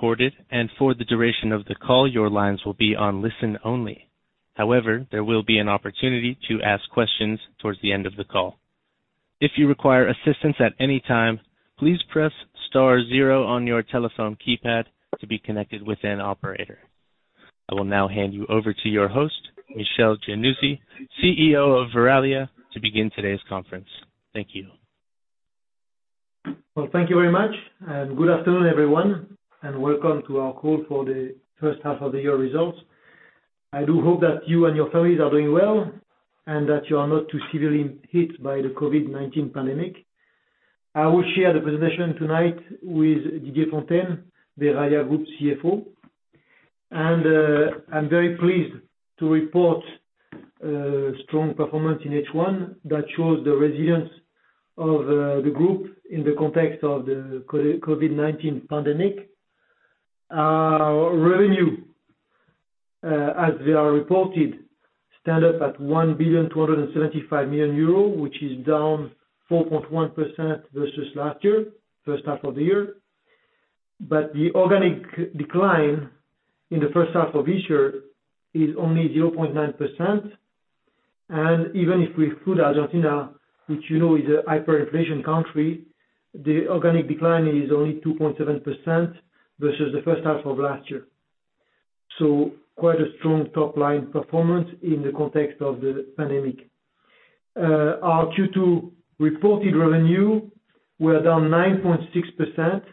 Recorded. For the duration of the call, your lines will be on listen only. However, there will be an opportunity to ask questions towards the end of the call. If you require assistance at any time, please press star 0 on your telephone keypad to be connected with an operator. I will now hand you over to your host, Michel Giannuzzi, CEO of Verallia, to begin today's conference. Thank you. Well, thank you very much, good afternoon, everyone, and welcome to our call for the first half of the year results. I do hope that you and your families are doing well, that you are not too severely hit by the COVID-19 pandemic. I will share the presentation tonight with Didier Fontaine, Verallia Group CFO. I'm very pleased to report a strong performance in H1 that shows the resilience of the group in the context of the COVID-19 pandemic. Our revenue, as they are reported, stand up at 1,275,000,000 euros, which is down 4.1% versus last year, first half of the year. The organic decline in the first half of this year is only 0.9%. Even if we include Argentina, which you know is a hyperinflation country, the organic decline is only 2.7% versus the first half of last year. Quite a strong top-line performance in the context of the pandemic. Our Q2 reported revenue were down 9.6%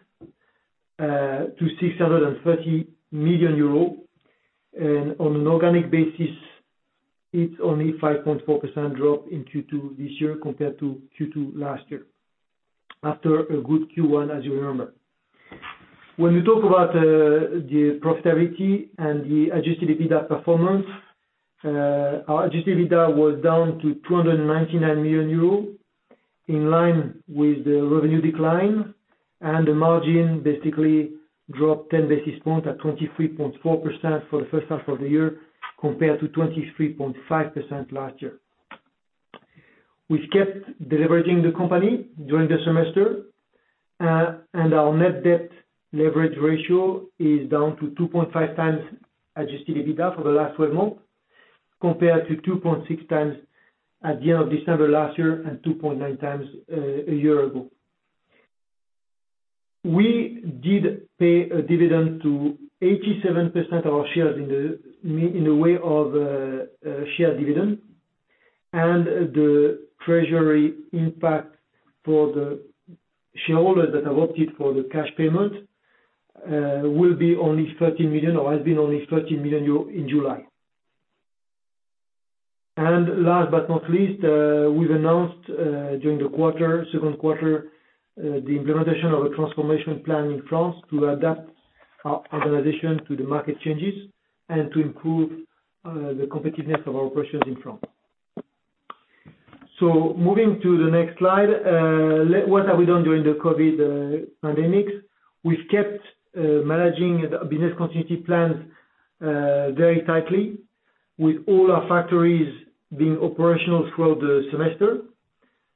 to 630 million euro, and on an organic basis, it's only 5.4% drop in Q2 this year compared to Q2 last year, after a good Q1, as you remember. When we talk about the profitability and the adjusted EBITDA performance, our adjusted EBITDA was down to 299 million euros, in line with the revenue decline, and the margin basically dropped 10 basis points at 23.4% for the first half of the year, compared to 23.5% last year. We've kept deleveraging the company during the semester, and our net debt leverage ratio is down to 2.5 times adjusted EBITDA for the last 12 months, compared to 2.6 times at the end of December last year and 2.9 times a year ago. We did pay a dividend to 87% of our shares in the way of a share dividend, and the treasury impact for the shareholders that have opted for the cash payment will be only 13 million, or has been only 13 million euro in July. Last but not least, we've announced during the second quarter the implementation of a transformation plan in France to adapt our organization to the market changes and to improve the competitiveness of our operations in France. Moving to the next slide. What have we done during the COVID-19 pandemic? We've kept managing the business continuity plans very tightly with all our factories being operational throughout the semester.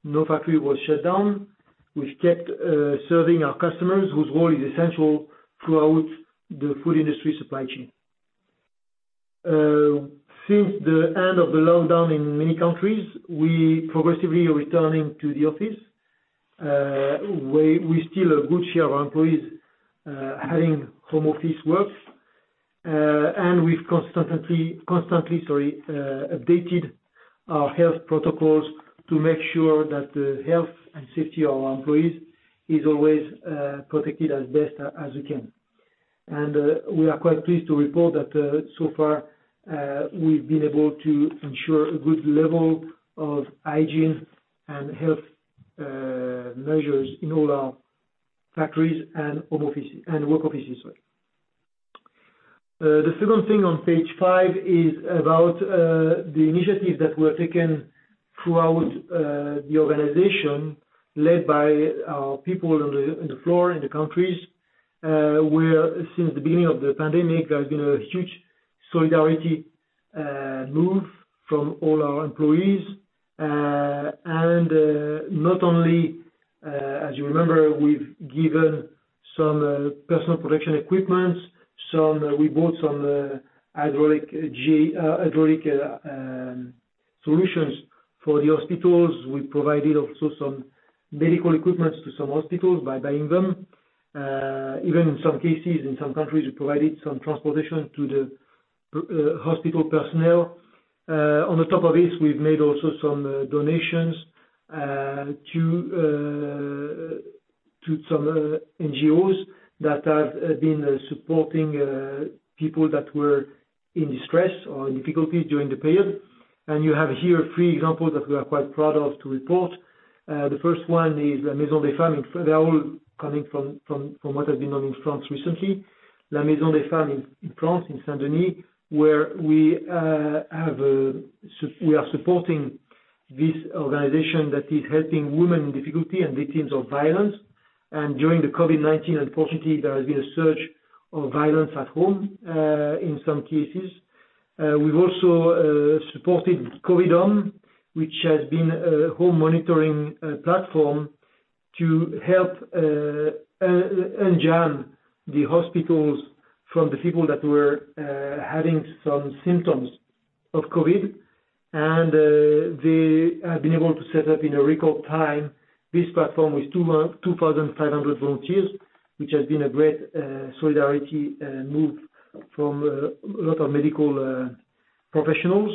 No factory was shut down. We've kept serving our customers whose role is essential throughout the food industry supply chain. Since the end of the lockdown in many countries, we progressively are returning to the office. We still have good share of employees havig home office works, and we've constantly updated our health protocols to make sure that the health and safety of our employees is always protected as best as we can. We are quite pleased to report that so far we've been able to ensure a good level of hygiene and health measures in all our factories and work offices. The second thing on page five is about the initiatives that were taken throughout the organization led by our people on the floor in the countries, where since the beginning of the pandemic, there's been a huge solidarity move from all our employees. Not only, as you remember, we've given some personal protection equipments. We bought some hydroalcoholic solutions for the hospitals. We provided also some medical equipments to some hospitals by buying them. Even in some cases, in some countries, we provided some transportation to the hospital personnel. On the top of this, we've made also some donations to some NGOs that have been supporting people that were in distress or in difficulties during the period. You have here three examples that we are quite proud of to report. The first one is La Maison des Femmes. They're all coming from what has been done in France recently. La Maison des Femmes in France, in Saint Denis, where we are supporting this organization that is helping women in difficulty and victims of violence. During the COVID-19, unfortunately, there has been a surge of violence at home, in some cases. We've also supported Covidom, which has been a home monitoring platform to help unjam the hospitals from the people that were having some symptoms of COVID. They have been able to set up in a record time this platform with 2,500 volunteers, which has been a great solidarity move from a lot of medical professionals.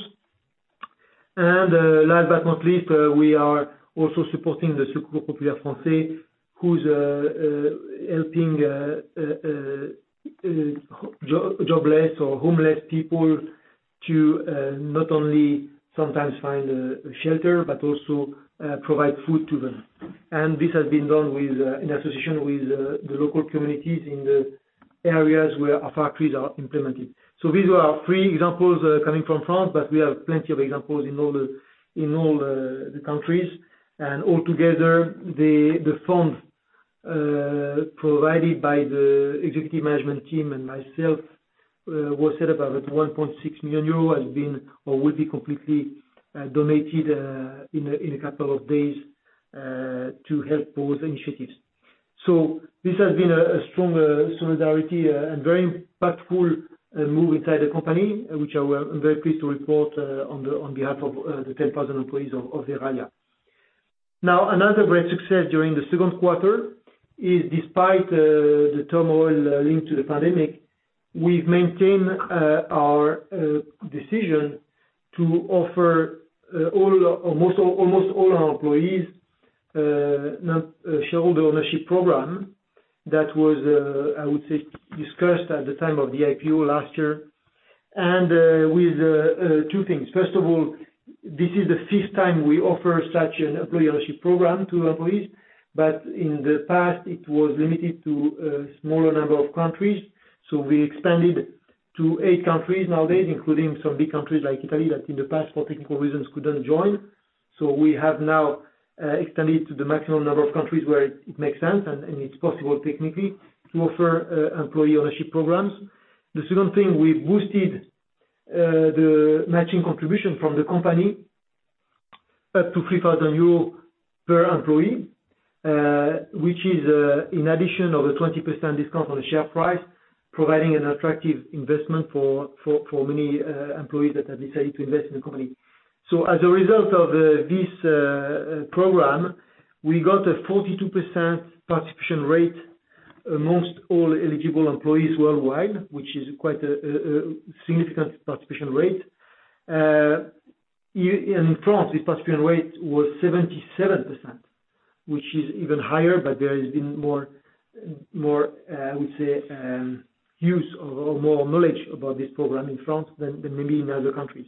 Last but not least, we are also supporting the Secours Populaire Français, who's helping jobless or homeless people to not only sometimes find a shelter, but also provide food to them. This has been done in association with the local communities in the areas where our factories are implemented. These are our three examples coming from France, but we have plenty of examples in all the countries. Altogether, the funds provided by the executive management team and myself was set up at 1.6 million euro, has been or will be completely donated in a couple of days to help those initiatives. This has been a strong solidarity and very impactful move inside the company, which I'm very pleased to report on behalf of the 10,000 employees of Verallia. Another great success during the second quarter is despite the turmoil linked to the pandemic, we've maintained our decision to offer almost all our employees shareholder ownership program that was, I would say, discussed at the time of the IPO last year. With two things. First of all, this is the fifth time we offer such an employee ownership program to employees, but in the past, it was limited to a smaller number of countries. We expanded to eight countries nowadays, including some big countries like Italy, that in the past for technical reasons, couldn't join. We have now extended to the maximum number of countries where it makes sense and it's possible technically to offer employee ownership programs. The second thing, we boosted the matching contribution from the company up to 3,000 euros per employee, which is in addition of a 20% discount on the share price, providing an attractive investment for many employees that have decided to invest in the company. As a result of this program, we got a 42% participation rate amongst all eligible employees worldwide, which is quite a significant participation rate. In France, the participation rate was 77%, which is even higher, but there has been more, I would say, use or more knowledge about this program in France than maybe in other countries.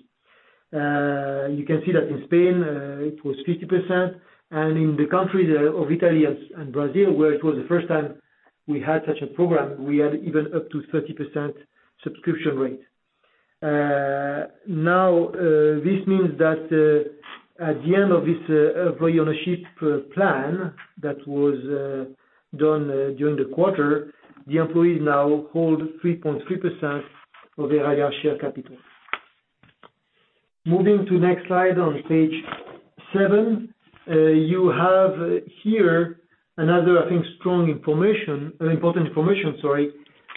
You can see that in Spain it was 50%, and in the countries of Italy and Brazil, where it was the first time we had such a program, we had even up to 30% subscription rate. Now, this means that at the end of this employee ownership plan that was done during the quarter, the employees now hold 3.3% of the Verallia share capital. Moving to next slide on page seven. You have here another, I think, strong information, important information, sorry,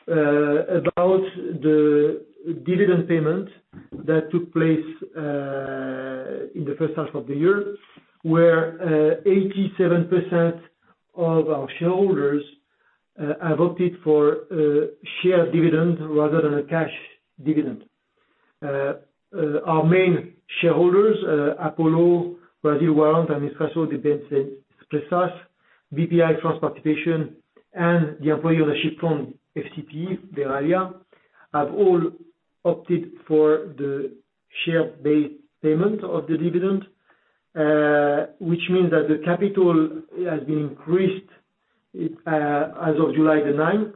about the dividend payment that took place in the first half of the year where 87% of our shareholders have opted for a share dividend rather than a cash dividend. Our main shareholders, Apollo, Brasil Warrant, Instituto de Bem-Estar e Sucesso, Bpifrance Participations and the employee ownership fund, Verallia FCPE, have all opted for the share-based payment of the dividend, which means that the capital has been increased as of July 9th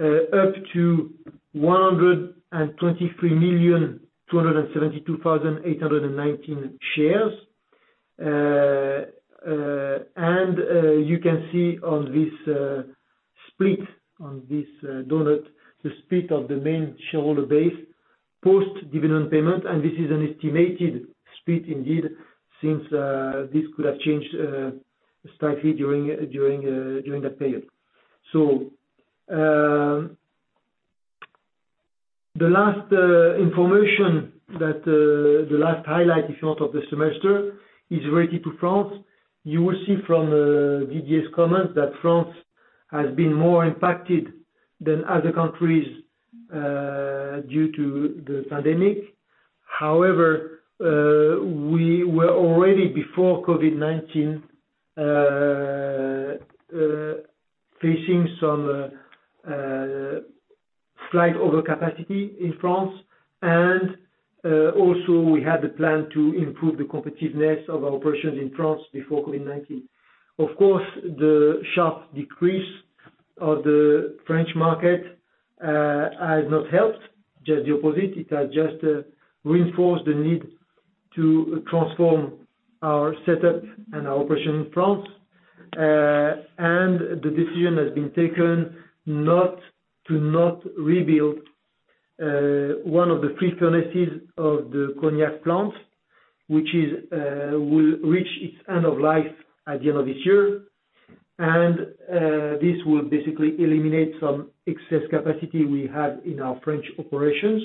up to 123,272,819 shares. You can see on this split, on this donut, the split of the main shareholder base, post-dividend payment. This is an estimated split indeed, since this could have changed slightly during that period. The last highlight, if you want, of the semester is related to France. You will see from Didier's comments that France has been more impacted than other countries due to the pandemic. However, we were already before COVID-19 facing some slight overcapacity in France, and also we had the plan to improve the competitiveness of our operations in France before COVID-19. Of course, the sharp decrease of the French market has not helped. Just the opposite. It has just reinforced the need to transform our setup and our operation in France. The decision has been taken to not rebuild one of the three furnaces of the Cognac plant, which will reach its end of life at the end of this year. This will basically eliminate some excess capacity we have in our French operations,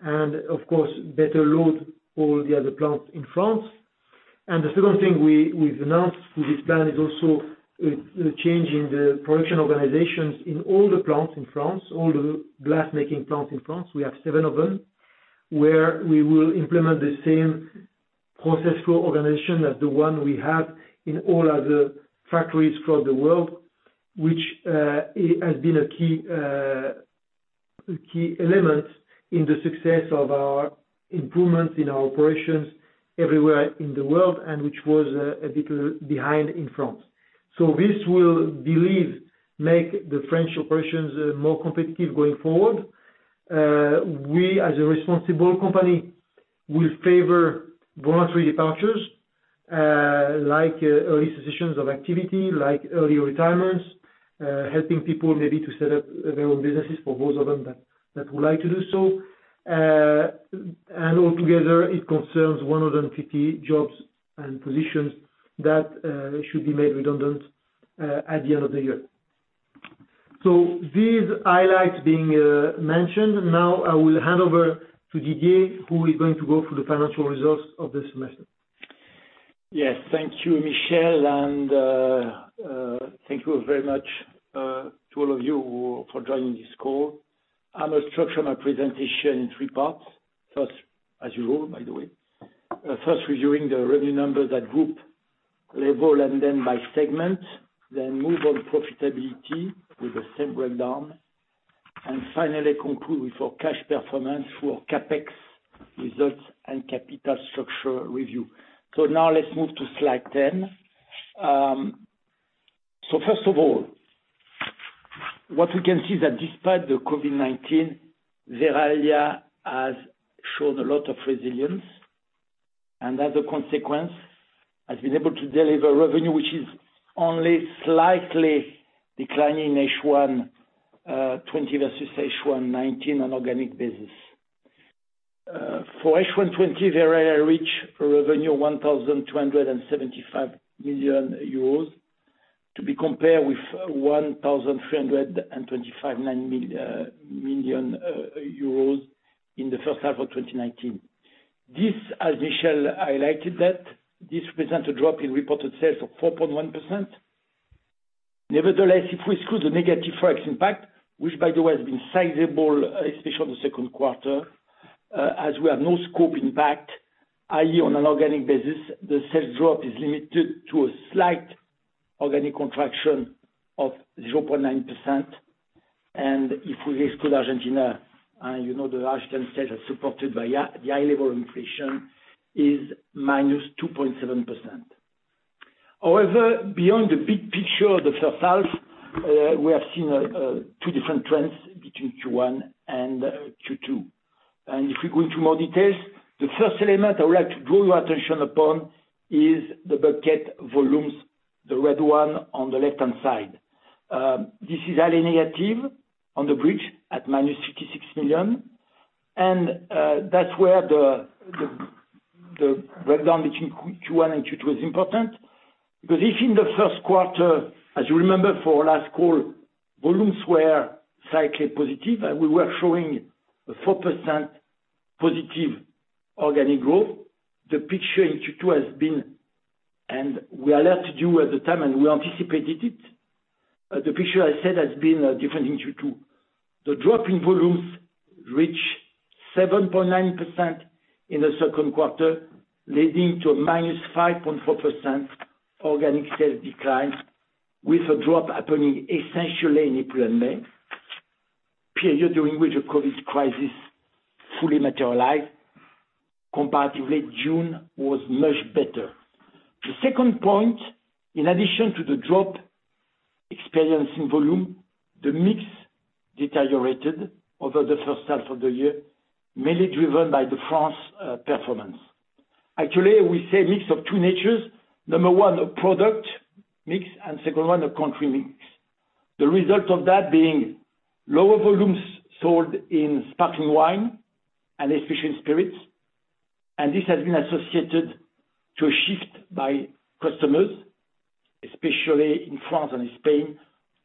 and of course, better load all the other plants in France. The second thing we've announced with this plan is also the change in the production organizations in all the plants in France, all the glass-making plants in France, we have seven of them, where we will implement the same process co-organization as the one we have in all other factories across the world, which has been a key element in the success of our improvements in our operations everywhere in the world, and which was a little behind in France. This will, believe, make the French operations more competitive going forward. We, as a responsible company, will favor voluntary departures, like early cessations of activity, like early retirements, helping people maybe to set up their own businesses for those of them that would like to do so. All together, it concerns 150 jobs and positions that should be made redundant at the end of the year. These highlights being mentioned, now I will hand over to Didier, who is going to go through the financial results of this semester. Yes. Thank you, Michel, thank you very much to all of you for joining this call. I'm going to structure my presentation in three parts. First, as usual, by the way, first reviewing the revenue numbers at group level and then by segment, then move on profitability with the same breakdown, and finally conclude with our cash performance for CapEx results and capital structure review. Now let's move to slide 10. First of all, what we can see is that despite the COVID-19, Verallia has shown a lot of resilience, and as a consequence, has been able to deliver revenue, which is only slightly declining H1 2020 versus H1 2019 on organic business. For H1 2020, Verallia reached revenue 1,275 million euros, to be compared with 1,325.9 million euros in the first half of 2019. This, as Michel highlighted, represents a drop in reported sales of 4.1%. Nevertheless, if we exclude the negative FX impact, which, by the way, has been sizable, especially on the second quarter, as we have no scope impact, i.e., on an organic basis, the sales drop is limited to a slight organic contraction of 0.9%. If we exclude Argentina, you know the Argentine sales are supported by the high level inflation, is minus 2.7%. However, beyond the big picture of the first half, we have seen two different trends between Q1 and Q2. If we go into more details, the first element I would like to draw your attention upon is the bucket volumes, the red one on the left-hand side. This is highly negative on the bridge at minus 56 million. That's where the breakdown between Q1 and Q2 is important. If in the first quarter, as you remember from our last call, volumes were slightly positive, and we were showing a 4% positive organic growth. The picture in Q2 has been, and we alerted you at the time, and we anticipated it, different in Q2. The drop in volumes reached 7.9% in the second quarter, leading to a -5.4% organic sales decline, with a drop happening essentially in April and May, period during which the COVID crisis fully materialized. Comparatively, June was much better. The second point, in addition to the drop experienced in volume, the mix deteriorated over the first half of the year, mainly driven by the France performance. Actually, we say mix of two natures. Number 1, a product mix, and second one, a country mix. The result of that being lower volumes sold in sparkling wine and especially in spirits. This has been associated to a shift by customers, especially in France and Spain,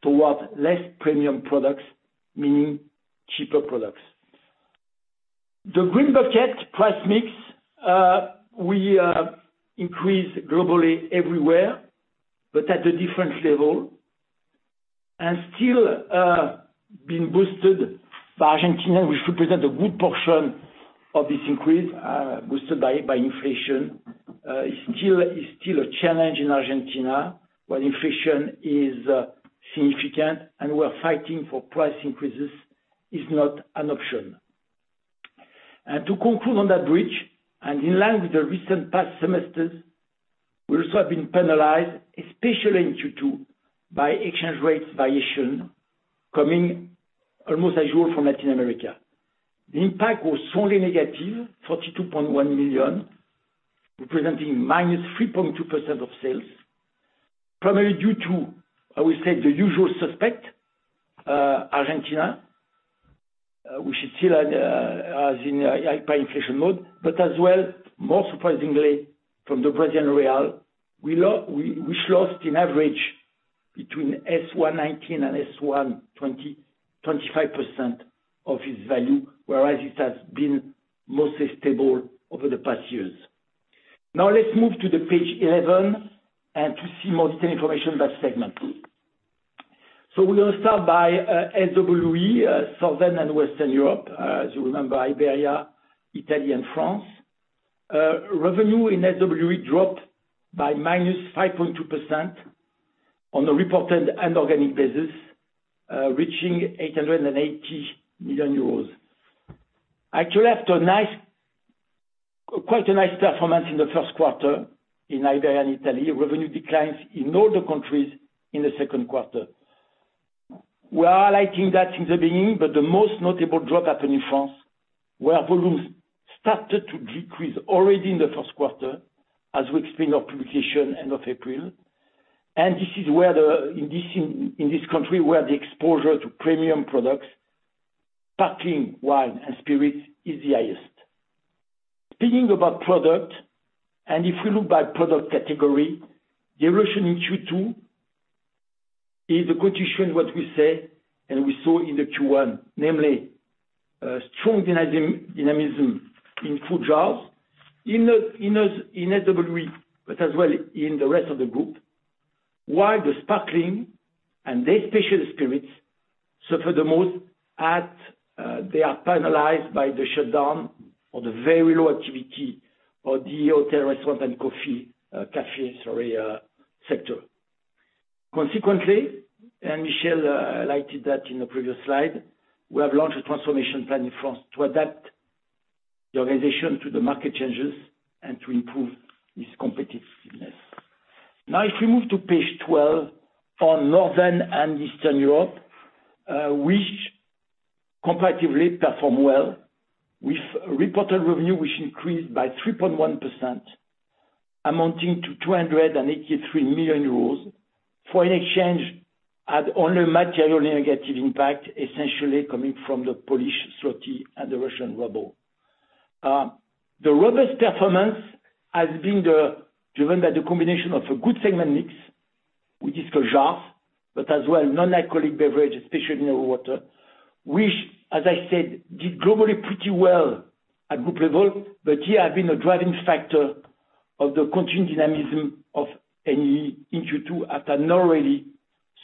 towards less premium products, meaning cheaper products. The green bucket price mix, we increased globally everywhere, but at a different level. Still being boosted by Argentina, which represents a good portion of this increase, boosted by inflation, is still a challenge in Argentina, where inflation is significant, and we're fighting for price increases is not an option. To conclude on that bridge, in line with the recent past semesters, we also have been penalized, especially in Q2, by exchange rates variation coming almost as usual from Latin America. The impact was strongly negative, 42.1 million, representing -3.2% of sales, primarily due to, I would say, the usual suspect, Argentina, which is still as in hyperinflation mode, but as well, more surprisingly, from the Brazilian real, which lost on average between S1 2019 and S1 2020, 25% of its value, whereas it has been mostly stable over the past years. Let's move to page 11 and to see more detailed information by segment. We're going to start by SWE, Southern and Western Europe. As you remember, Iberia, Italy, and France. Revenue in SWE dropped by -5.2% on the reported and organic basis, reaching 880 million euros. After quite a nice performance in the first quarter in Iberia and Italy, revenue declines in all the countries in the second quarter. We are liking that in the beginning, but the most notable drop happened in France, where volumes started to decrease already in the first quarter, as we explained our publication end of April. This is in this country where the exposure to premium products, sparkling wine and spirits, is the highest. Speaking about product, and if we look by product category, the erosion in Q2 is a continuation of what we say, and we saw in the Q1, namely, strong dynamism in food jars in SWE, but as well in the rest of the group, while the sparkling and especially the spirits suffer the most as they are penalized by the shutdown or the very low activity of the hotel restaurant and cafe sector. Consequently, Michel highlighted that in the previous slide, we have launched a transformation plan in France to adapt the organization to the market changes and to improve its competitiveness. If we move to page 12 on Northern and Eastern Europe, which comparatively performed well with reported revenue, which increased by 3.1%, amounting to 283 million. Foreign exchange had only materially negative impact, essentially coming from the Polish zloty and the Russian ruble. The robust performance has been driven by the combination of a good segment mix with disco jars, but as well non-alcoholic beverages, especially mineral water, which, as I said, did globally pretty well at group level, but here have been a driving factor of the continued dynamism of N&EE in Q2 after an already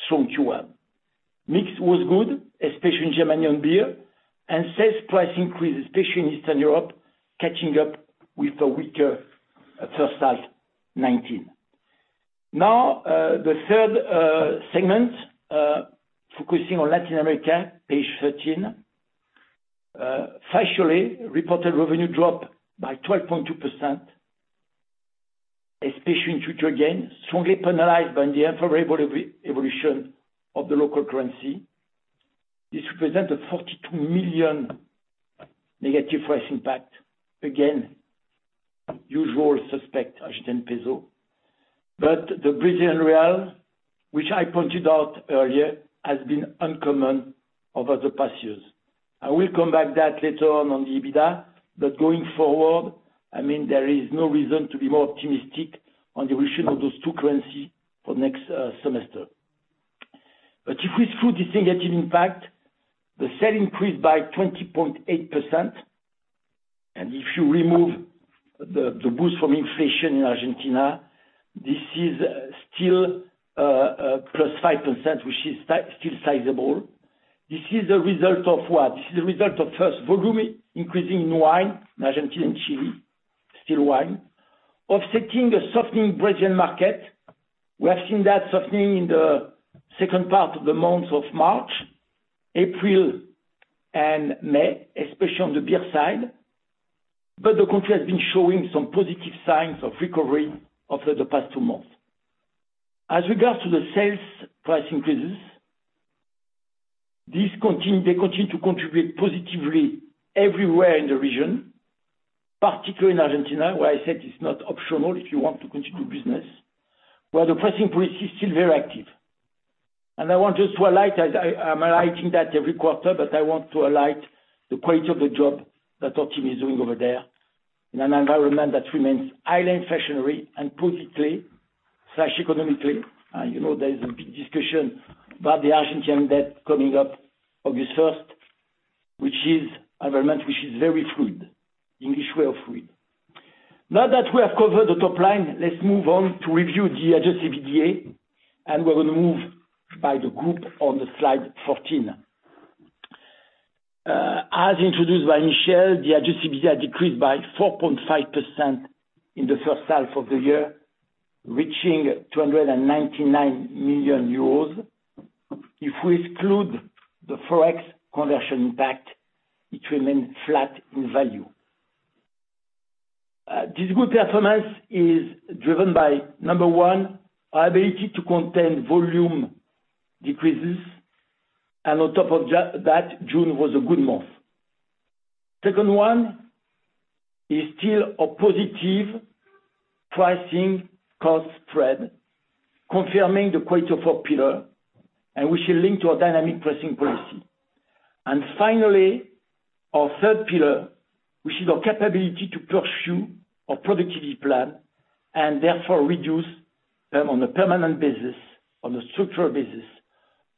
strong Q1. Mix was good, especially in Germany on beer and sales price increases, especially in Eastern Europe, catching up with a weaker first half 2019. The third segment, focusing on Latin America, page 13. Reported revenue dropped by 12.2%, especially in Q2 again, strongly penalized by the unfavorable evolution of the local currency. This represents a 42 million negative price impact. Usual suspect, Argentine peso. The Brazilian real, which I pointed out earlier, has been uncommon over the past years. I will come back that later on the EBITDA, but going forward, there is no reason to be more optimistic on the evolution of those two currency for next semester. If we exclude this negative impact, the sale increased by 20.8%. If you remove the boost from inflation in Argentina, this is still, plus 5%, which is still sizable. This is the result of what? This is the result of first volume increasing in wine in Argentina and Chile, still wine, offsetting the softening Brazilian market. We have seen that softening in the second part of the months of March, April, and May, especially on the beer side. The country has been showing some positive signs of recovery over the past two months. As regards to the sales price increases, they continue to contribute positively everywhere in the region, particularly in Argentina, where I said it's not optional if you want to continue business, where the pricing policy is still very active. I want just to highlight, as I am highlighting that every quarter, but I want to highlight the quality of the job that our team is doing over there in an environment that remains highly inflationary and politically/economically. You know there is a big discussion about the Argentine debt coming up August 1st, which is environment which is very fluid. English way of fluid. That we have covered the top line, let's move on to review the adjusted EBITDA. We're going to move by the group on slide 14. As introduced by Michel, the adjusted EBITDA decreased by 4.5% in the first half of the year, reaching 299 million euros. If we exclude the Forex conversion impact, it remains flat in value. This good performance is driven by, number one, our ability to contain volume decreases. On top of that, June was a good month. Second one is still a positive pricing cost spread, confirming the quarter four pillar. Which is linked to our dynamic pricing policy. Finally, our third pillar, which is our capability to pursue our productivity plan and therefore reduce on a permanent basis, on a structural basis,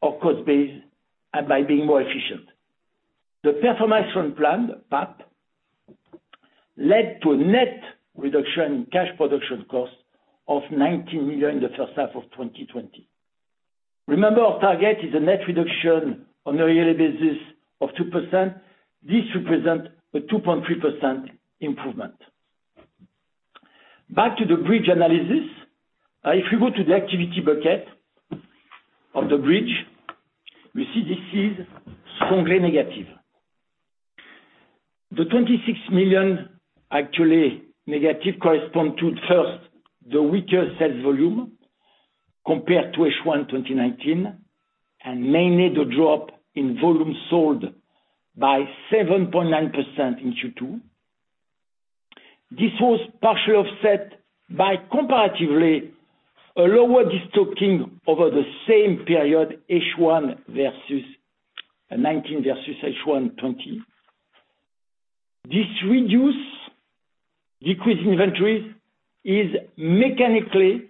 our cost base by being more efficient. The performance action plan, PAP, led to a net reduction in cash production cost of 19 million in the first half of 2020. Remember, our target is a net reduction on a yearly basis of 2%. This represents a 2.3% improvement. Back to the bridge analysis. If we go to the activity bucket of the bridge, we see this is strongly negative. The 26 million actually negative correspond to, first, the weaker sales volume compared to H1 2019, and mainly the drop in volume sold by 7.9% in Q2. This was partially offset by comparatively a lower destocking over the same period, H1 2019 versus H1 2020. This reduced decreased inventories is mechanically,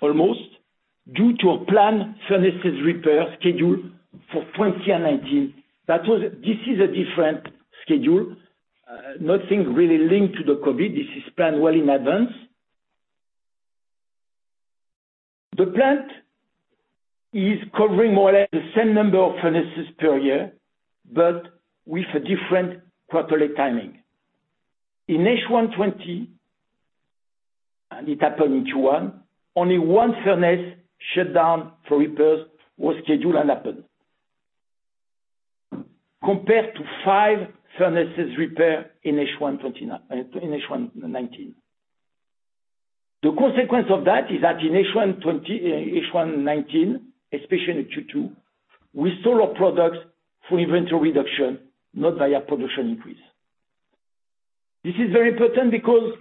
almost, due to a planned furnaces repair schedule for 2019. This is a different schedule. Nothing really linked to the COVID-19. This is planned well in advance. The plant is covering more or less the same number of furnaces per year with a different quarterly timing. In H1 '20, it happened in Q1, only one furnace shut down for repairs was scheduled and happened, compared to five furnaces repair in H1 '19. The consequence of that is that in H1 '19, especially in Q2, we store our products for inventory reduction, not via production increase. This is very important because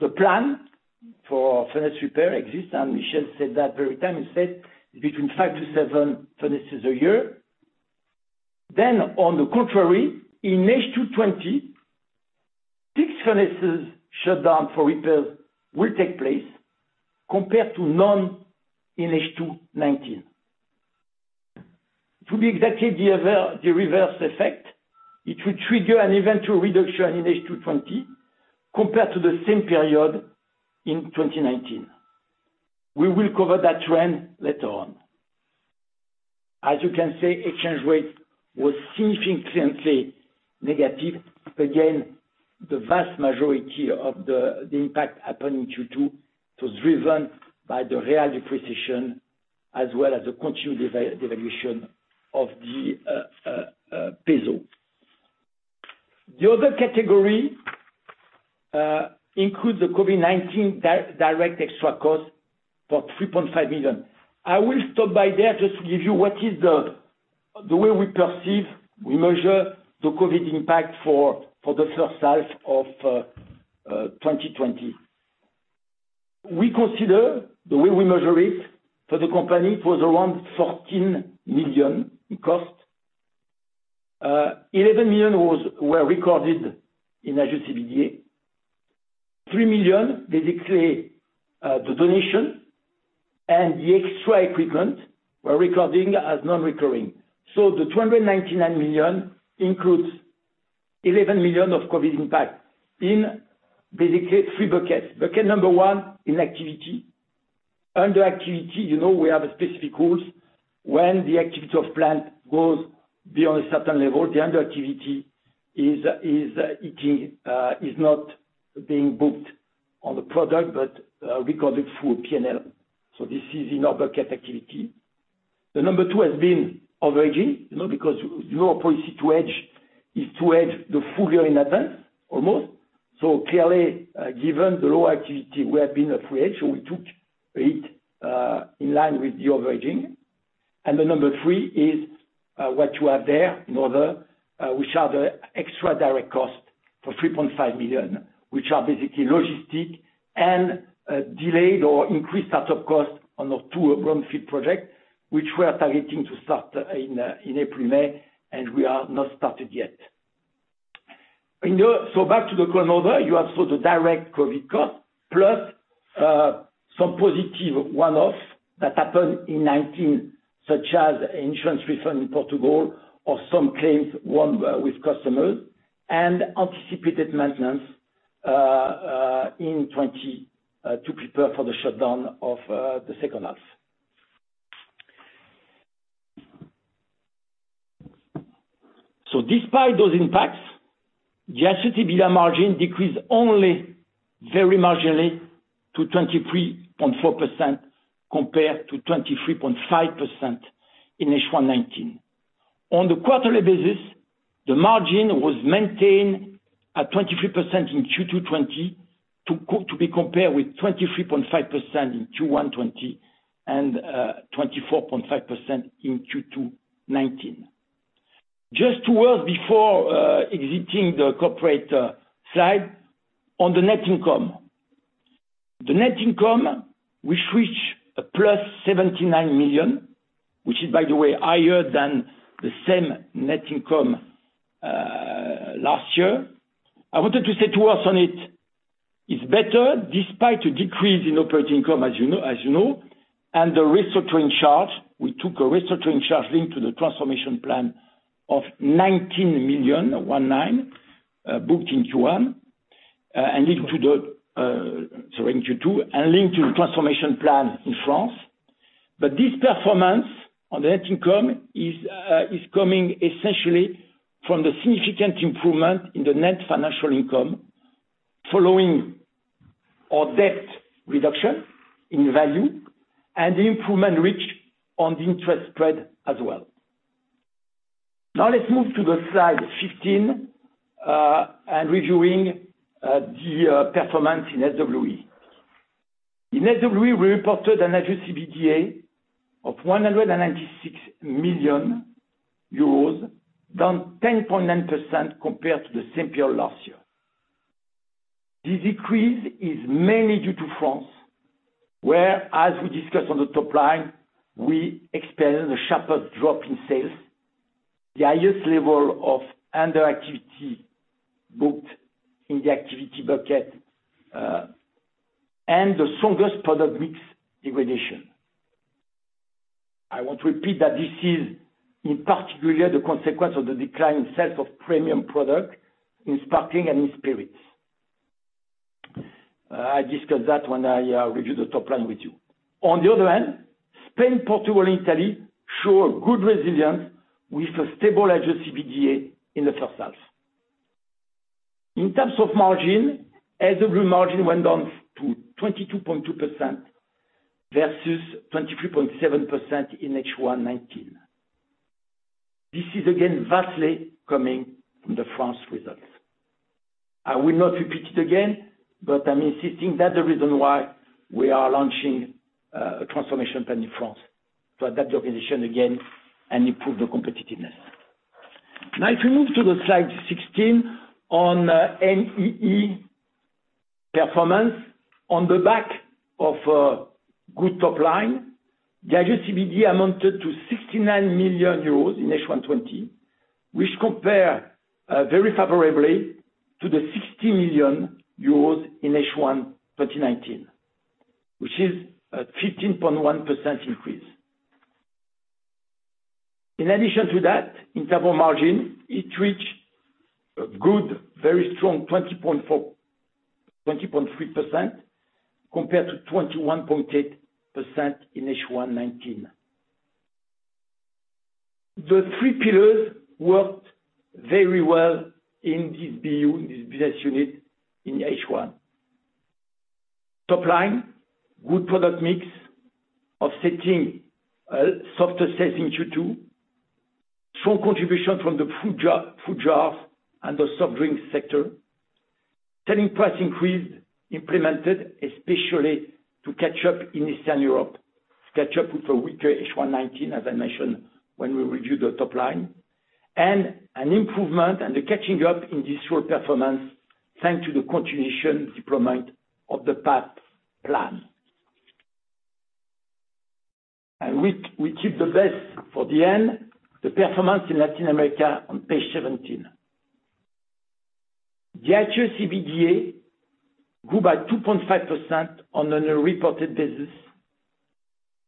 the plan for furnace repair exists, Michel said that very time. He said between five to seven furnaces a year. On the contrary, in H2 2020, 6 furnaces shut down for repairs will take place compared to none in H2 2019. To be exactly the reverse effect, it will trigger an eventual reduction in H2 2020 compared to the same period in 2019. We will cover that trend later on. As you can see, exchange rate was significantly negative. The vast majority of the impact happened in Q2. It was driven by the Real depreciation as well as the continued devaluation of the Peso. The other category includes the COVID-19 direct extra cost for 3.5 million. I will stop by there just to give you what is the way we perceive, we measure the COVID impact for the first half of 2020. We consider the way we measure it for the company, it was around 14 million in cost. 11 million were recorded in adjusted EBITDA. 3 million, basically, the donation and the extra equipment we're recording as non-recurring. The 299 million includes 11 million of COVID impact in basically three buckets. Bucket number one, in activity. Under activity, you know we have specific rules. When the activity of plant goes beyond a certain level, the under activity is not being booked on the product, but recorded through P&L. This is in our bucket activity. Number two has been over-hedging, because your policy to hedge is to hedge the full year in advance, almost. Clearly, given the low activity, we have been over-hedged, so we took it in line with the over-hedging. The number 3 is what you have there, in other, which are the extra direct cost for 3.5 million, which are basically logistic and delayed or increased start-up costs on those 2 brownfield projects, which we are targeting to start in April, May, and we are not started yet. Back to the core number. You have the direct COVID-19 cost plus some positive one-off that happened in 2019, such as insurance refund in Portugal or some claims won with customers and anticipated maintenance in 2020 to prepare for the shutdown of the second half. Despite those impacts, the adjusted EBITDA margin decreased only very marginally to 23.4% compared to 23.5% in H1 2019. On the quarterly basis, the margin was maintained at 23% in Q2 2020, to be compared with 23.5% in Q1 2020, and 24.5% in Q2 2019. Just two words before exiting the corporate slide on the net income. The net income, which reached +79 million, which is by the way, higher than the same net income last year. I wanted to say two words on it. It's better despite a decrease in operating income, as you know, and the restructuring charge. We took a restructuring charge linked to the transformation plan of 19 million, one, nine, booked in Q1, and linked to the. Sorry, in Q2, and linked to the transformation plan in France. This performance on net income is coming essentially from the significant improvement in the net financial income following our debt reduction in value and the improvement reached on the interest spread as well. Let's move to the slide 15, and reviewing the performance in SWE. In SWE, we reported an adjusted EBITDA of 196 million euros, down 10.9% compared to the same period last year. This decrease is mainly due to France, where, as we discussed on the top line, we experienced the sharpest drop in sales, the highest level of under activity booked in the activity bucket, and the strongest product mix degradation. I want to repeat that this is in particular the consequence of the decline in sales of premium product in sparkling and in spirits. I discussed that when I reviewed the top line with you. On the other hand, Spain, Portugal, and Italy show a good resilience with a stable adjusted EBITDA in the first half. In terms of margin, SWE margin went down to 22.2% versus 23.7% in H1-19. This is again vastly coming from the France results. I will not repeat it again. I'm insisting that's the reason why we are launching a transformation plan in France to adapt the organization again and improve the competitiveness. If we move to the slide 16 on N&EE performance. On the back of a good top line, the adjusted EBITDA amounted to €69 million in H1 '20, which compare very favorably to the €60 million in H1 2019, which is a 15.1% increase. In terms of margin, it reached a good, very strong 20.3% compared to 21.8% in H1 '19. The three pillars worked very well in this business unit in H1. Top line, good product mix, offsetting softer sales in Q2. Strong contribution from the food jars and the soft drinks sector. Selling price increase implemented, especially to catch up in Eastern Europe, catch up with a weaker H1-19, as I mentioned when we reviewed the top line. An improvement and the catching up in this raw performance, thanks to the continuation deployment of the performance action plan. We keep the best for the end, the performance in Latin America on page 17. The adjusted EBITDA grew by 2.5% on an reported basis,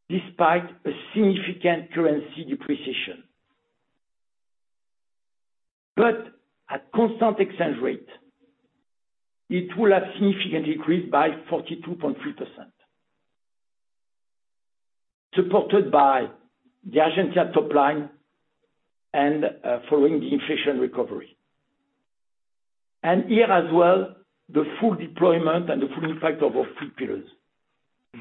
despite a significant currency depreciation. At constant exchange rate, it will have significantly increased by 42.3%. Supported by the Argentina top line and following the inflation recovery. Here as well, the full deployment and the full impact of our three pillars.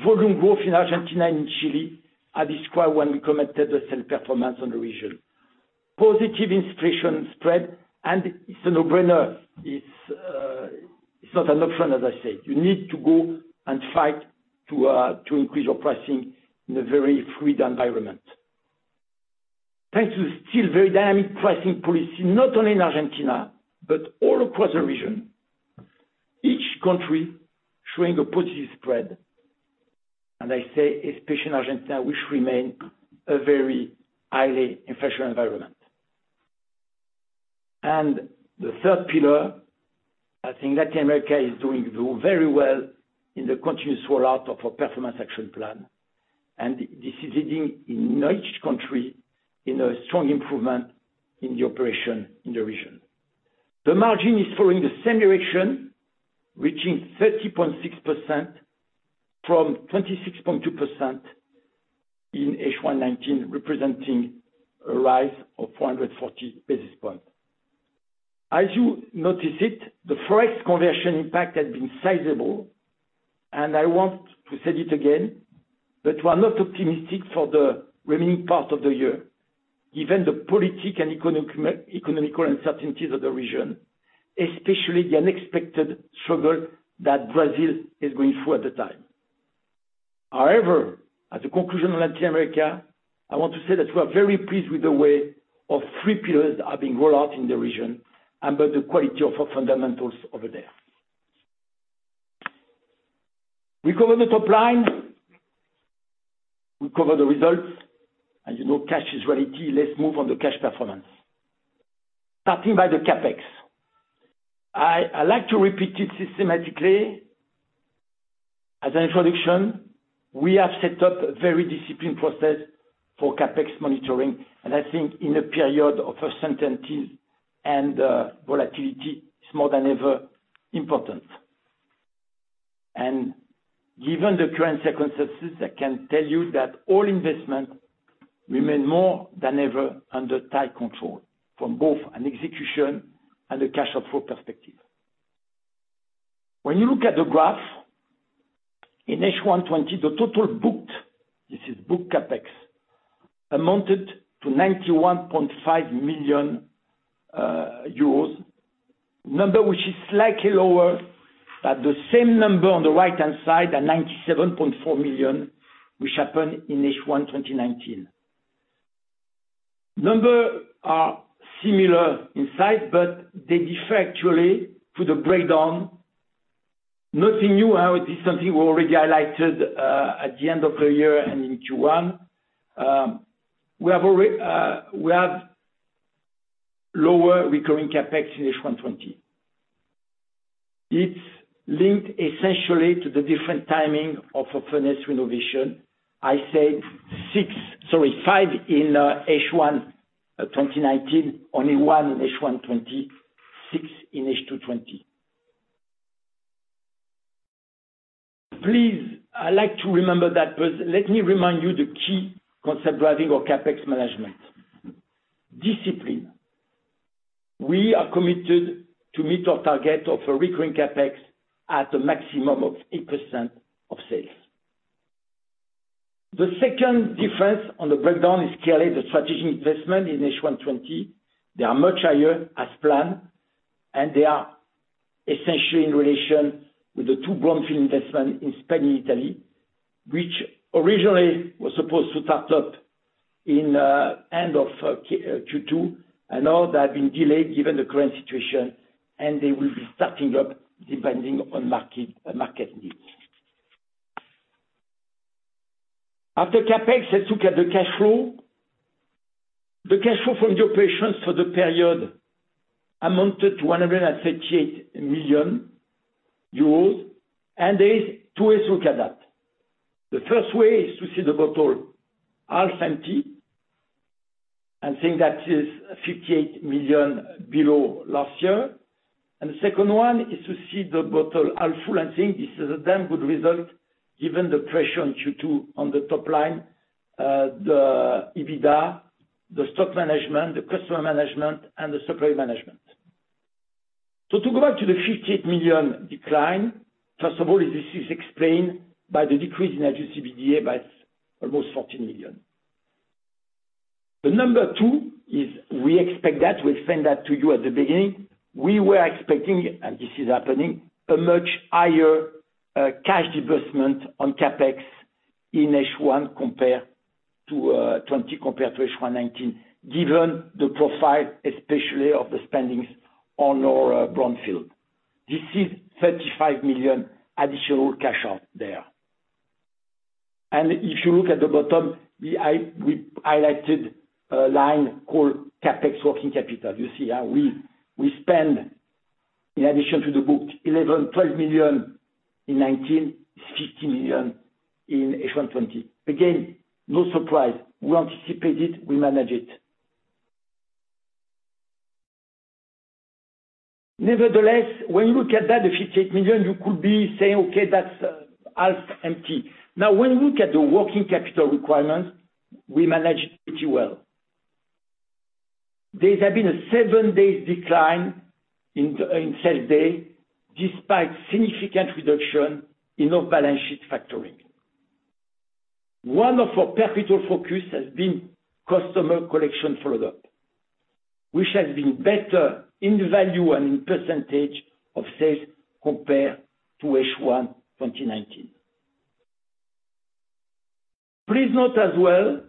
Volume growth in Argentina and Chile are described when we commented the sales performance on the region. Positive inflation spread, and it's a no-brainer. It's not an option, as I said. You need to go and fight to increase your pricing in a very fluid environment. Thanks to the still very dynamic pricing policy, not only in Argentina but all across the region, each country showing a positive spread. I say especially in Argentina, which remain a very highly inflation environment. The third pillar, I think Latin America is doing very well in the continuous rollout of our performance action plan, and this is leading in each country in a strong improvement in the operation in the region. The margin is following the same direction, reaching 30.6% from 26.2% in H1 2019, representing a rise of 440 basis points. As you notice it, the ForEx conversion impact has been sizable, and I want to say it again, that we are not optimistic for the remaining part of the year, given the political and economic uncertainties of the region, especially the unexpected struggle that Brazil is going through at the time. However, as a conclusion on Latin America, I want to say that we are very pleased with the way our three pillars are being rolled out in the region and by the quality of our fundamentals over there. We covered the top line, we covered the results. As you know, cash is royalty. Let's move on to cash performance. Starting by the CapEx. I like to repeat it systematically. As an introduction, we have set up a very disciplined process for CapEx monitoring, and I think in a period of uncertainties and volatility, it's more than ever important. Given the current circumstances, I can tell you that all investment remain more than ever under tight control from both an execution and a cash flow perspective. When you look at the graph, in H1 2020, the total booked, this is booked CapEx, amounted to 91.5 million euros, number which is slightly lower than the same number on the right-hand side at 97.4 million, which happened in H1 2019. Numbers are similar in size, but they differ actually through the breakdown. Nothing new or different, we already highlighted at the end of the year and in Q1. We have lower recurring CapEx in H1 2020. It's linked essentially to the different timing of a furnace renovation. I said six, sorry, five in H1 2019, only one in H1 2020, six in H2 2020. Let me remind you the key concept driving our CapEx management. Discipline. We are committed to meet our target of a recurring CapEx at a maximum of 8% of sales. The second difference on the breakdown is clearly the strategic investment in H1 2020. They are much higher as planned, and they are essentially in relation with the two brownfield investment in Spain and Italy, which originally was supposed to start up in end of Q2, and now they have been delayed given the current situation, and they will be starting up depending on market needs. After CapEx, let's look at the cash flow. The cash flow from the operations for the period amounted to €138 million. There is two ways to look at that. The first way is to see the bottle half empty, and think that is 58 million below last year. The second one is to see the bottle half full and think this is a damn good result given the pressure in Q2 on the top line, the EBITDA, the stock management, the customer management, and the supply management. To go back to the 58 million decline, first of all, this is explained by the decrease in adjusted EBITDA by almost 14 million. The number 2 is we expect that, we explained that to you at the beginning. We were expecting, and this is happening, a much higher cash disbursement on CapEx in H1 2020 compared to H1 2019, given the profile, especially of the spendings on our brownfield. This is 35 million additional cash out there. If you look at the bottom, we highlighted a line called CapEx working capital. You see how we spend, in addition to the booked 11 million-12 million in 2019, is 50 million in H1 2020. Again, no surprise. We anticipate it, we manage it. Nevertheless, when you look at that, the 58 million, you could be saying, "Okay, that's half empty." Now, when you look at the working capital requirements, we managed pretty well. There has been a seven days decline in sales day despite significant reduction in off-balance sheet factoring. One of our perpetual focus has been customer collection follow-up, which has been better in value and in percentage of sales compared to H1 2019. Please note as well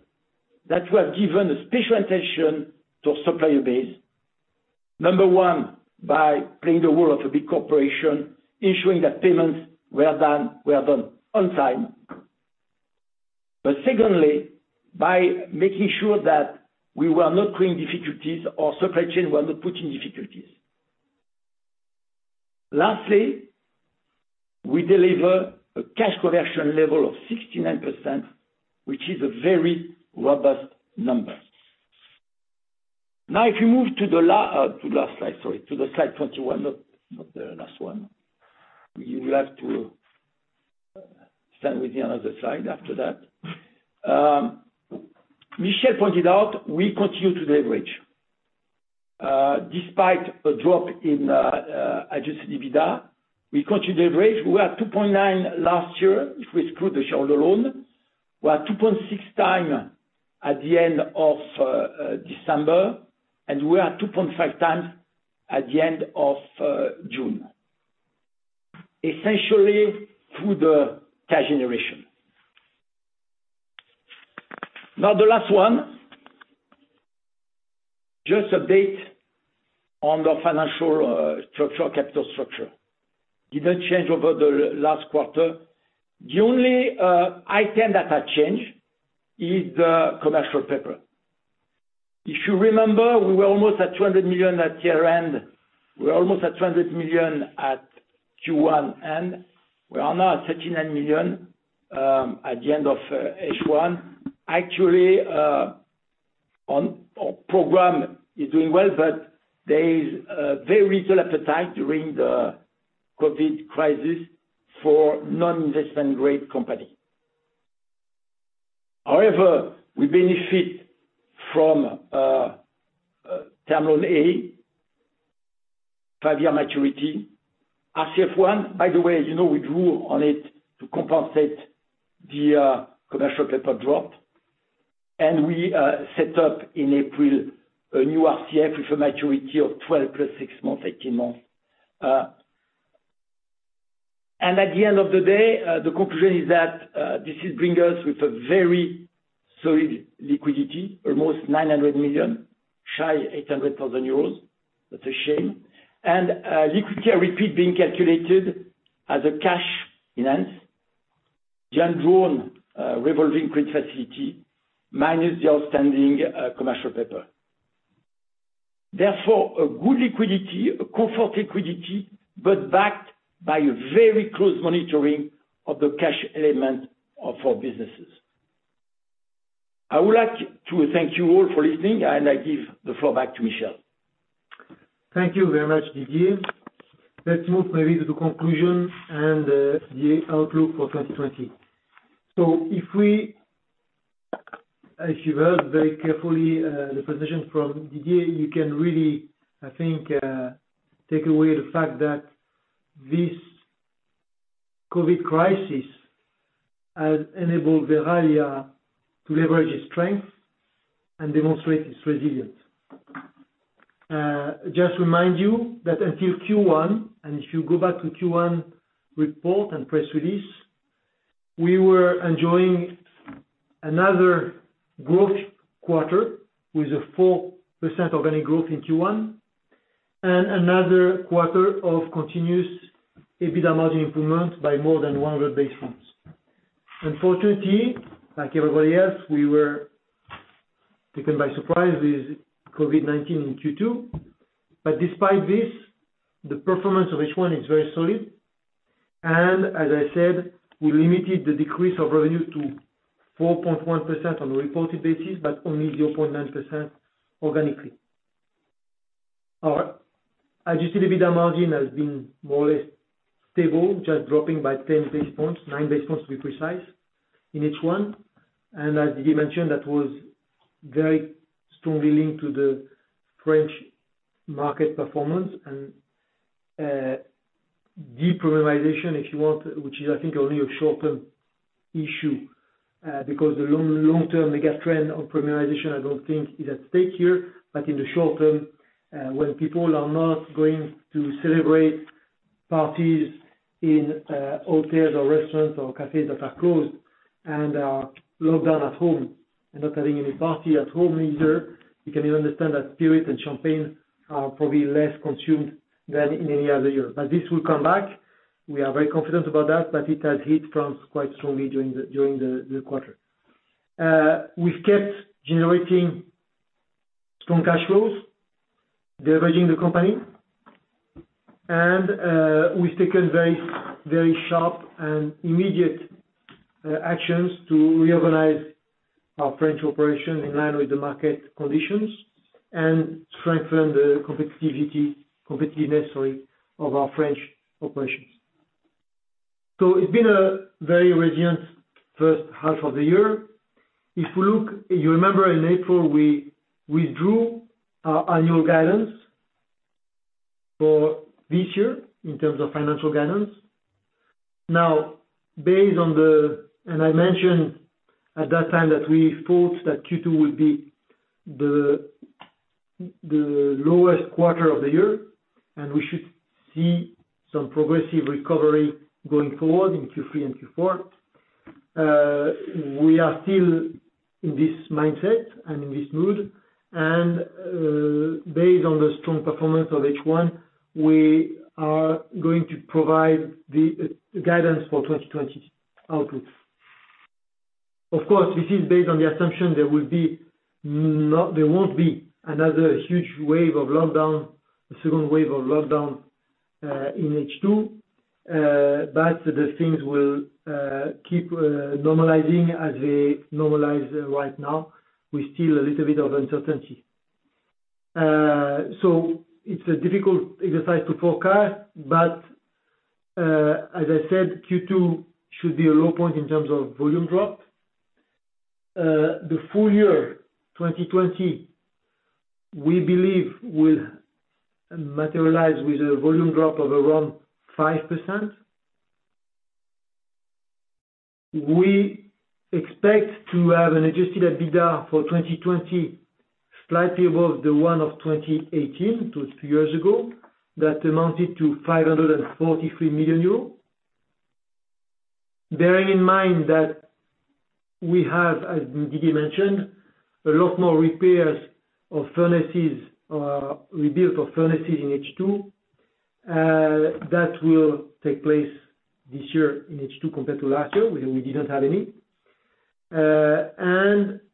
that we have given a special attention to supplier base. Number one, by playing the role of a big corporation, ensuring that payments were done on time. Secondly, by making sure that we were not creating difficulties or supply chain were not put in difficulties. Lastly, we deliver a cash conversion level of 69%, which is a very robust number. If you move to the last slide. Sorry, to the slide 21, not the last one. You will have to stay with me on the other slide after that. Michel pointed out, we continue to leverage. Despite a drop in adjusted EBITDA, we continue to leverage. We were at 2.9 last year if we exclude the share of the loan. We are 2.6 times at the end of December, and we are 2.5 times at the end of June, essentially through the cash generation. The last one, just update on the financial structure, capital structure. Didn't change over the last quarter. The only item that has changed is the commercial paper. If you remember, we were almost at 200 million at year-end. We're almost at 200 million at Q1. We are now at 39 million at the end of H1. Actually, our program is doing well. There is very little appetite during the COVID-19 crisis for non-investment-grade company. However, we benefit from term loan A, 5-year maturity, RCF 1. By the way, we drew on it to compensate the commercial paper drop. We set up in April a new RCF with a maturity of 12 plus 6 months, 18 months. At the end of the day, the conclusion is that this will bring us with a very solid liquidity, almost 900 million, shy 800,000 euros. That's a shame. Liquidity I repeat being calculated as cash, plus the undrawn revolving credit facility minus the outstanding commercial paper. A good liquidity, a comfort liquidity, but backed by a very close monitoring of the cash element of our businesses. I would like to thank you all for listening, I give the floor back to Michel. Thank you very much, Didier. Let's move maybe to conclusion and the outlook for 2020. If you heard very carefully, the position from Didier, you can really, I think, take away the fact that this COVID crisis has enabled Verallia to leverage its strength and demonstrate its resilience. Just remind you that until Q1, and if you go back to Q1 report and press release, we were enjoying another growth quarter with a 4% organic growth in Q1 and another quarter of continuous EBITDA margin improvement by more than 100 basis points. Unfortunately, like everybody else, we were taken by surprise with COVID-19 in Q2. Despite this, the performance of H1 is very solid, and as I said, we limited the decrease of revenue to 4.1% on a reported basis, but only 0.9% organically. Our adjusted EBITDA margin has been more or less stable, just dropping by 10 basis points, nine basis points, to be precise, in H1. As Didier mentioned, that was very strongly linked to the French market performance and, de-premium if you want, which is, I think, only a short-term issue. The long-term mega trend of premiumization, I don't think is at stake here, but in the short term, when people are not going to celebrate parties in hotels or restaurants or cafes that are closed and are locked down at home and not having any party at home either, you can understand that spirits and champagne are probably less consumed than in any other year. This will come back. We are very confident about that, but it has hit France quite strongly during the quarter. We've kept generating strong cash flows, leveraging the company. We've taken very sharp and immediate actions to reorganize our French operations in line with the market conditions and strengthen the competitiveness of our French operations. It's been a very resilient first half of the year. If you remember in April, we withdrew our annual guidance for this year in terms of financial guidance. Now, I mentioned at that time that we thought that Q2 would be the lowest quarter of the year, and we should see some progressive recovery going forward in Q3 and Q4. We are still in this mindset and in this mood, and based on the strong performance of H1, we are going to provide the guidance for 2020 outlook. Of course, this is based on the assumption there won't be another huge wave of lockdown, a second wave of lockdown in H2. The things will keep normalizing as they normalize right now, with still a little bit of uncertainty. It's a difficult exercise to forecast. As I said, Q2 should be a low point in terms of volume drop. The full year 2020, we believe will materialize with a volume drop of around 5%. We expect to have an adjusted EBITDA for 2020 slightly above the one of 2018, two years ago, that amounted to 543 million euros. Bearing in mind that we have, as Didier mentioned, a lot more repairs of furnaces, or rebuild of furnaces in H2. That will take place this year in H2 compared to last year, where we didn't have any.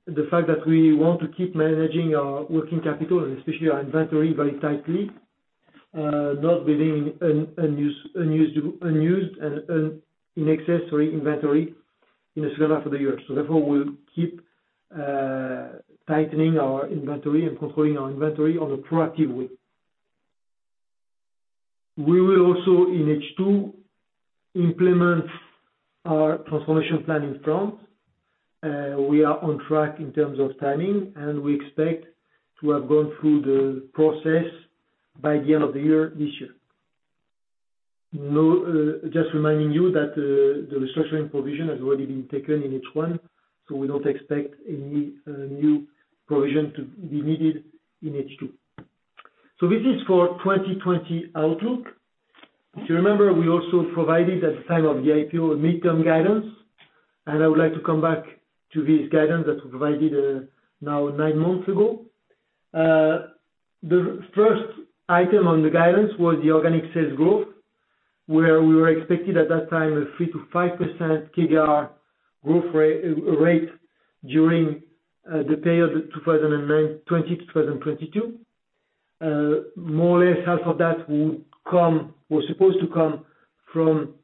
The fact that we want to keep managing our working capital and especially our inventory very tightly, not building unused and in excess inventory in the second half of the year. Therefore, we'll keep tightening our inventory and controlling our inventory on a proactive way. We will also, in H2, implement our transformation plan in France. We are on track in terms of timing, and we expect to have gone through the process by the end of the year, this year. Just reminding you that the restructuring provision has already been taken in H1. We don't expect any new provision to be needed in H2. This is for 2020 outlook. If you remember, we also provided at the time of the IPO, a midterm guidance, and I would like to come back to this guidance that we provided now nine months ago. The first item on the guidance was the organic sales growth, where we were expecting at that time a 3%-5% CAGR growth rate during the period 2020 to 2022. More or less, half of that was supposed to come from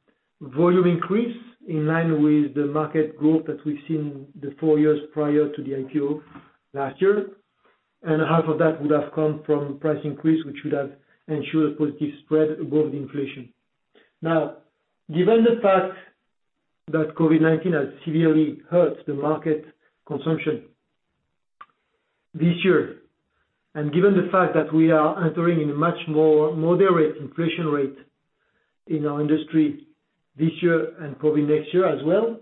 volume increase in line with the market growth that we've seen the four years prior to the IPO last year. Half of that would have come from price increase, which would have ensured positive spread above inflation. Given the fact that COVID-19 has severely hurt the market consumption this year, and given the fact that we are entering in a much more moderate inflation rate in our industry this year and probably next year as well,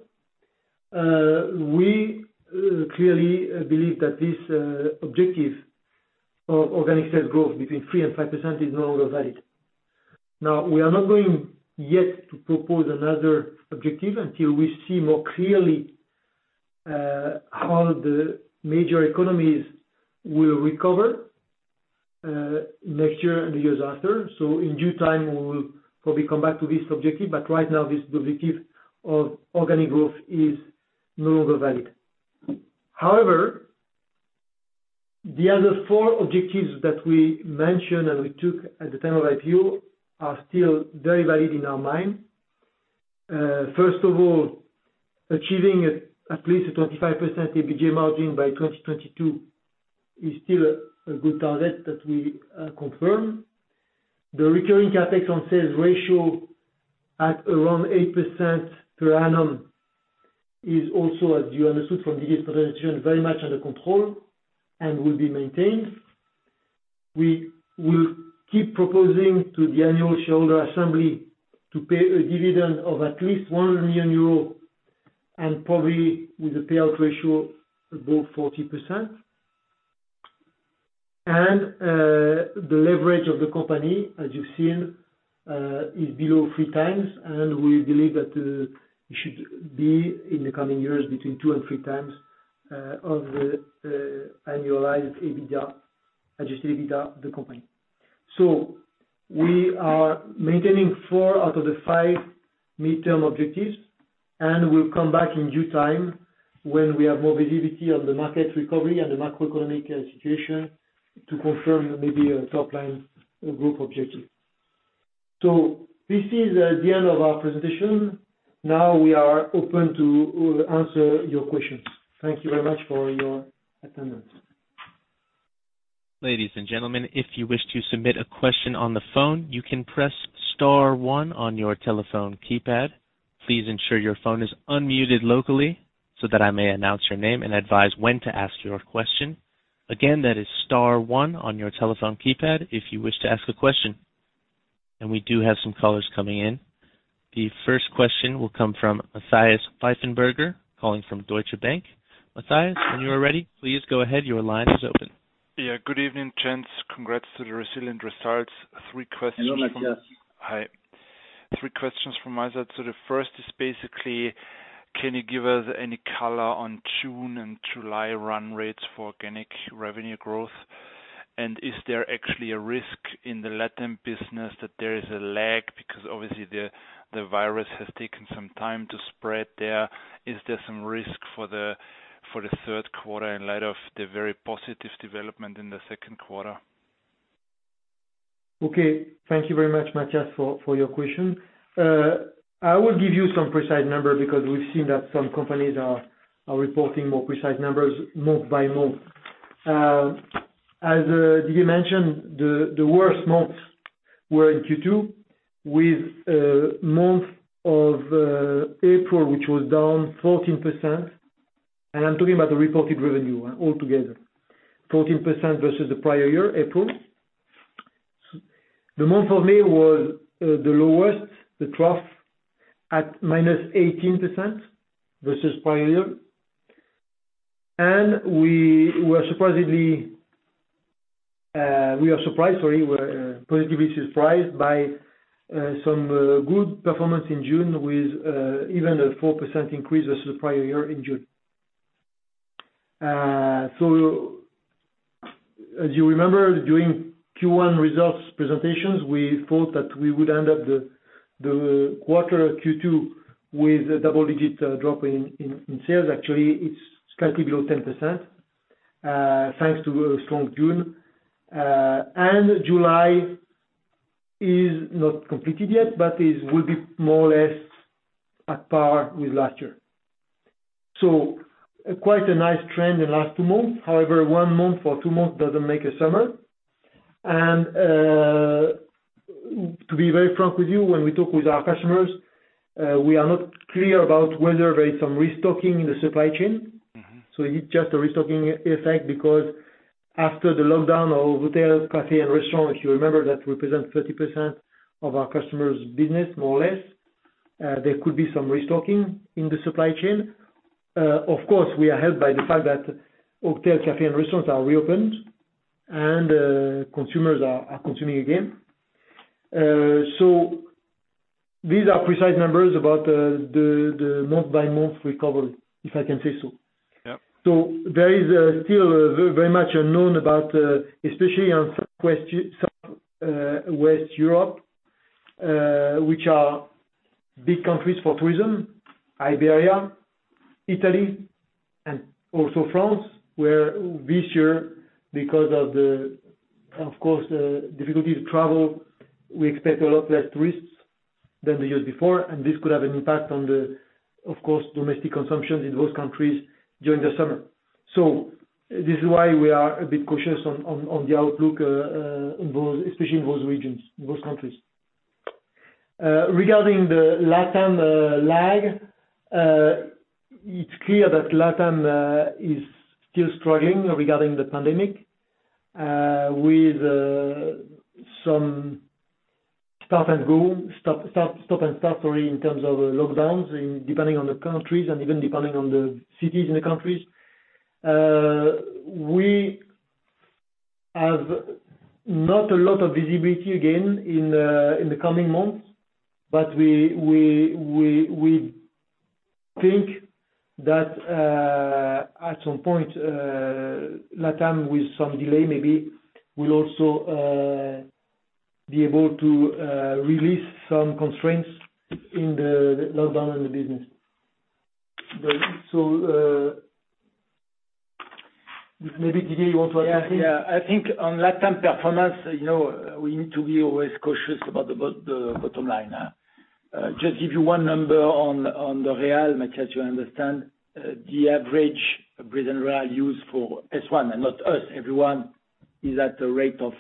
we clearly believe that this objective of organic sales growth between 3% and 5% is no longer valid. We are not going yet to propose another objective until we see more clearly how the major economies will recover next year and the years after. In due time, we will probably come back to this objective. Right now, this objective of organic growth is no longer valid. The other four objectives that we mentioned and we took at the time of IPO are still very valid in our mind. First of all, achieving at least a 25% EBITDA margin by 2022 is still a good target that we confirm. The recurring CapEx on sales ratio at around 8% per annum is also, as you understood from Didier's presentation, very much under control and will be maintained. We will keep proposing to the annual shareholder assembly to pay a dividend of at least 1 million euros and probably with a payout ratio above 40%. The leverage of the company, as you've seen, is below 3 times, and we believe that it should be in the coming years between two and three times of the annualized EBITDA, adjusted EBITDA of the company. We are maintaining four out of the five midterm objectives, and we'll come back in due time when we have more visibility on the market recovery and the macroeconomic situation to confirm maybe a top-line group objective. This is the end of our presentation. Now we are open to answer your questions. Thank you very much for your attendance. Ladies and gentlemen, if you wish to submit a question on the phone, you can press star one on your telephone keypad. Please ensure your phone is unmuted locally so that I may announce your name and advise when to ask your question. Again, that is star one on your telephone keypad if you wish to ask a question. We do have some callers coming in. The first question will come from Matthias Pfeifenberger, calling from Deutsche Bank. Matthias, when you are ready, please go ahead. Your line is open. Yeah. Good evening, gents. Congrats to the resilient results. Three questions. Hello, Matthias. Hi. Three questions from my side. The first is basically, can you give us any color on June and July run rates for organic revenue growth? Is there actually a risk in the LATAM business that there is a lag. Obviously, the virus has taken some time to spread there. Is there some risk for the third quarter in light of the very positive development in the second quarter? Okay. Thank you very much, Matthias, for your question. I will give you some precise number because we've seen that some companies are reporting more precise numbers month by month. As Didier mentioned, the worst months were in Q2, with month of April, which was down 14%. I'm talking about the reported revenue altogether. 14% versus the prior year, April. The month of May was the lowest, the trough at -18% versus prior year. We were positively surprised by some good performance in June with even a 4% increase versus the prior year in June. As you remember, during Q1 results presentations, we thought that we would end up the quarter Q2 with a double-digit drop in sales. Actually, it's slightly below 10%, thanks to a strong June. July is not completed yet, but it will be more or less at par with last year. Quite a nice trend in last two months. However, one month or two months doesn't make a summer. To be very frank with you, when we talk with our customers, we are not clear about whether there is some restocking in the supply chain. It's just a restocking effect because after the lockdown of hotels, café and restaurants, if you remember, that represents 30% of our customers' business, more or less. There could be some restocking in the supply chain. Of course, we are helped by the fact that hotels, café and restaurants are reopened and consumers are consuming again. These are precise numbers about the month-by-month recovery, if I can say so. Yep. There is still very much unknown about, especially on Southwest Europe, which are big countries for tourism, Iberia, Italy, and also France, where this year, because of the, of course, difficulty to travel, we expect a lot less tourists than the years before. This could have an impact on the, of course, domestic consumptions in those countries during the summer. This is why we are a bit cautious on the outlook, especially in those regions, in those countries. Regarding the LatAm lag, it's clear that LatAm is still struggling regarding the pandemic, with some stop and start in terms of lockdowns, depending on the countries and even depending on the cities in the countries. We have not a lot of visibility again in the coming months, but we think that, at some point, LatAm with some delay maybe, will also be able to release some constraints in the lockdown in the business. Maybe Didier you want to add something? I think on LatAm performance, we need to be always cautious about the bottom line. Just give you one number on the real, Matthias, you understand, the average Brazilian real used for S1, not us, everyone is at a rate of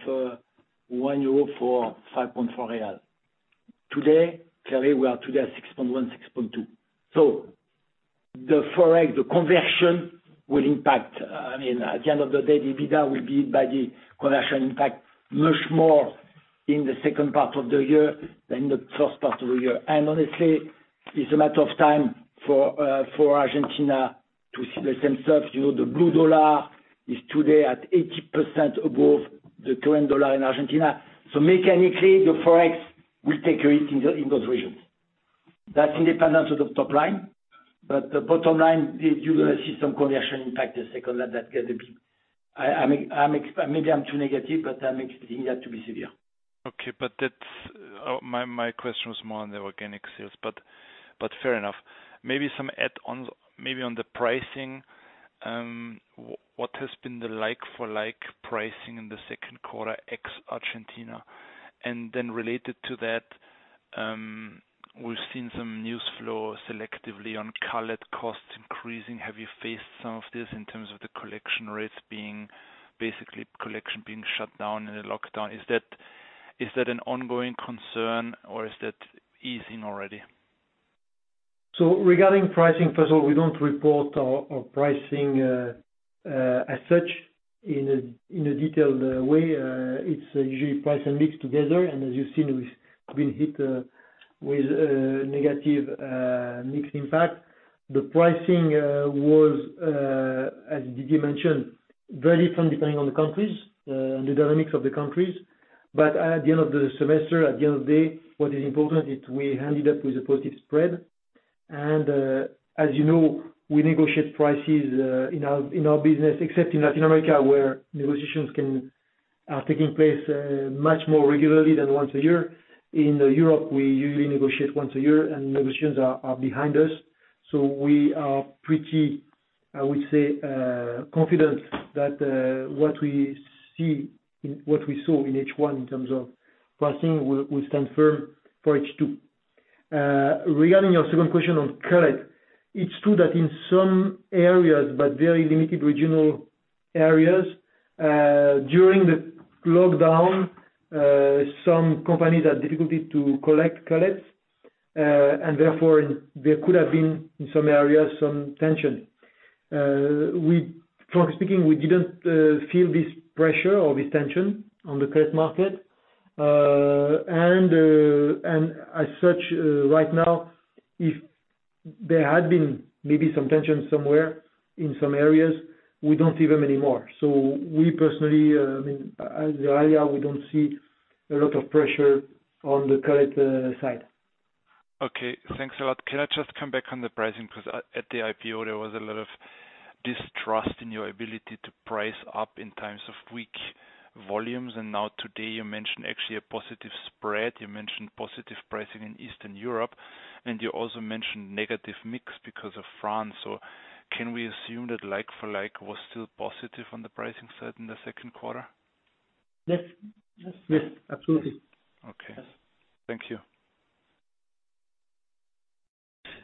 1 euro for 5.4 Brazilian real. Today, clearly we are today at 6.1, 6.2 Brazilian real. The Forex, the conversion will impact, at the end of the day, the EBITDA will be hit by the conversion impact much more in the second part of the year than the first part of the year. Honestly, it's a matter of time for Argentina to see the same stuff. The blue dollar is today at 80% above the current Argentine peso in Argentina. Mechanically, the Forex will take a hit in those regions. That's independent of the top line, but the bottom line, you're going to see some conversion impact the second that get a bit maybe I'm too negative, but I'm expecting that to be severe. My question was more on the organic sales, but fair enough. Maybe some add on the pricing. What has been the like-for-like pricing in the second quarter ex Argentina? Related to that, we've seen some news flow selectively on cullet costs increasing. Have you faced some of this in terms of the collection rates being basically collection being shut down in a lockdown? Is that an ongoing concern or is that easing already? Regarding pricing, first of all, we don't report our pricing as such in a detailed way. It's usually price and mix together, and as you've seen, we've been hit with a negative mix impact. The pricing was, as Didier mentioned, very different depending on the countries, the dynamics of the countries. At the end of the semester, at the end of the day, what is important is we ended up with a positive spread. As you know, we negotiate prices in our business, except in Latin America, where negotiations are taking place much more regularly than once a year. In Europe, we usually negotiate once a year, and negotiations are behind us. We are pretty, I would say, confident that what we saw in H1 in terms of pricing will stand firm for H2. Regarding your second question on cullet, it's true that in some areas, but very limited regional areas, during the lockdown, some companies had difficulty to cullet collection, and therefore there could have been, in some areas, some tension. Frankly speaking, we didn't feel this pressure or this tension on the current market. As such, right now, if there had been maybe some tension somewhere in some areas, we don't see them anymore. We personally, as Verallia, we don't see a lot of pressure on the cullet side. Okay. Thanks a lot. Can I just come back on the pricing? At the IPO, there was a lot of distrust in your ability to price up in times of weak volumes, and now today you mentioned actually a positive spread. You mentioned positive pricing in Eastern Europe, and you also mentioned negative mix because of France. Can we assume that like for like was still positive on the pricing side in the second quarter? Yes. Absolutely. Okay. Thank you.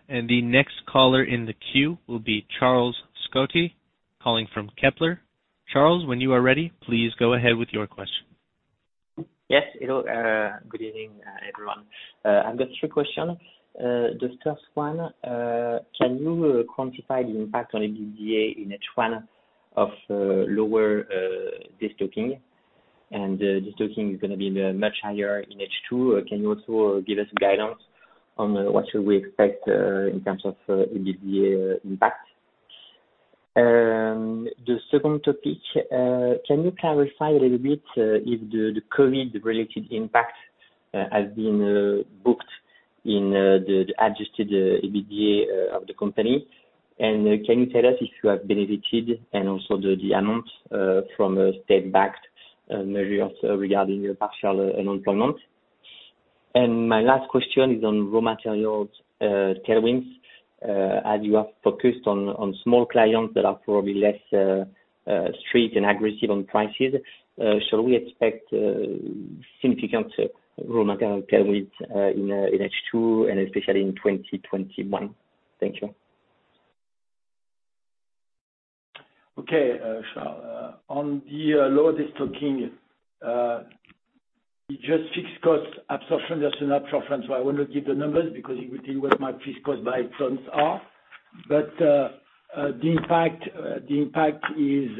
The next caller in the queue will be Charles Scotti, calling from Kepler. Charles, when you are ready, please go ahead with your question. Yes. Hello, good evening, everyone. I've got three questions. The first one, can you quantify the impact on EBITDA in H1 of lower destocking? Destocking is going to be much higher in H2. Can you also give us guidance on what should we expect in terms of EBITDA impact? The second topic, can you clarify a little bit if the COVID-related impact has been booked in the adjusted EBITDA of the company? Can you tell us if you have benefited, and also the amount, from state-backed measures regarding partial unemployment? My last question is on raw materials tailwinds. As you have focused on small clients that are probably less strict and aggressive on prices, shall we expect significant raw material tailwinds in H2 and especially in 2021? Thank you. Okay, Charles. On the lower destocking, just fixed cost absorption, just an option. I want to give the numbers because it will tell you what my fixed cost by tons are. The impact is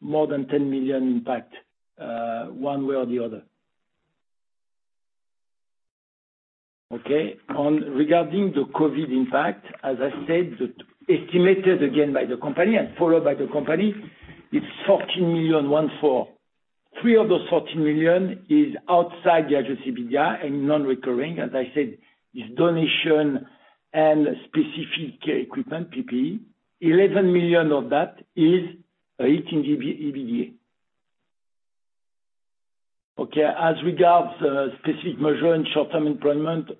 more than 10 million impact, one way or the other. Okay, regarding the COVID-19 impact, as I said, estimated again by the company and followed by the company, it's 14 million, one, four. Three of the 14 million is outside the adjusted EBITDA and non-recurring, as I said, is donation and specific equipment, PPE. 11 million of that is hitting EBITDA. Okay, as regards specific measure and short-term employment,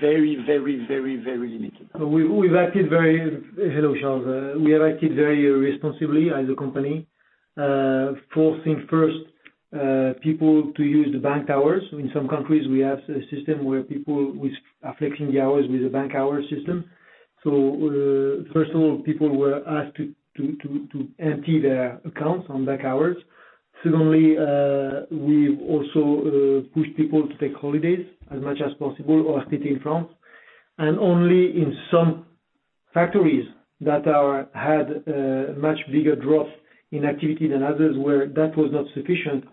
very limited. Hello, Charles. We acted very responsibly as a company, forcing first people to use the bank hours. In some countries, we have a system where people are flexing the hours with the bank hour system. First of all, people were asked to empty their accounts on bank hours. Secondly, we've also pushed people to take holidays as much as possible or stay in France. Only in some factories that had a much bigger drop in activity than others, where that was not sufficient,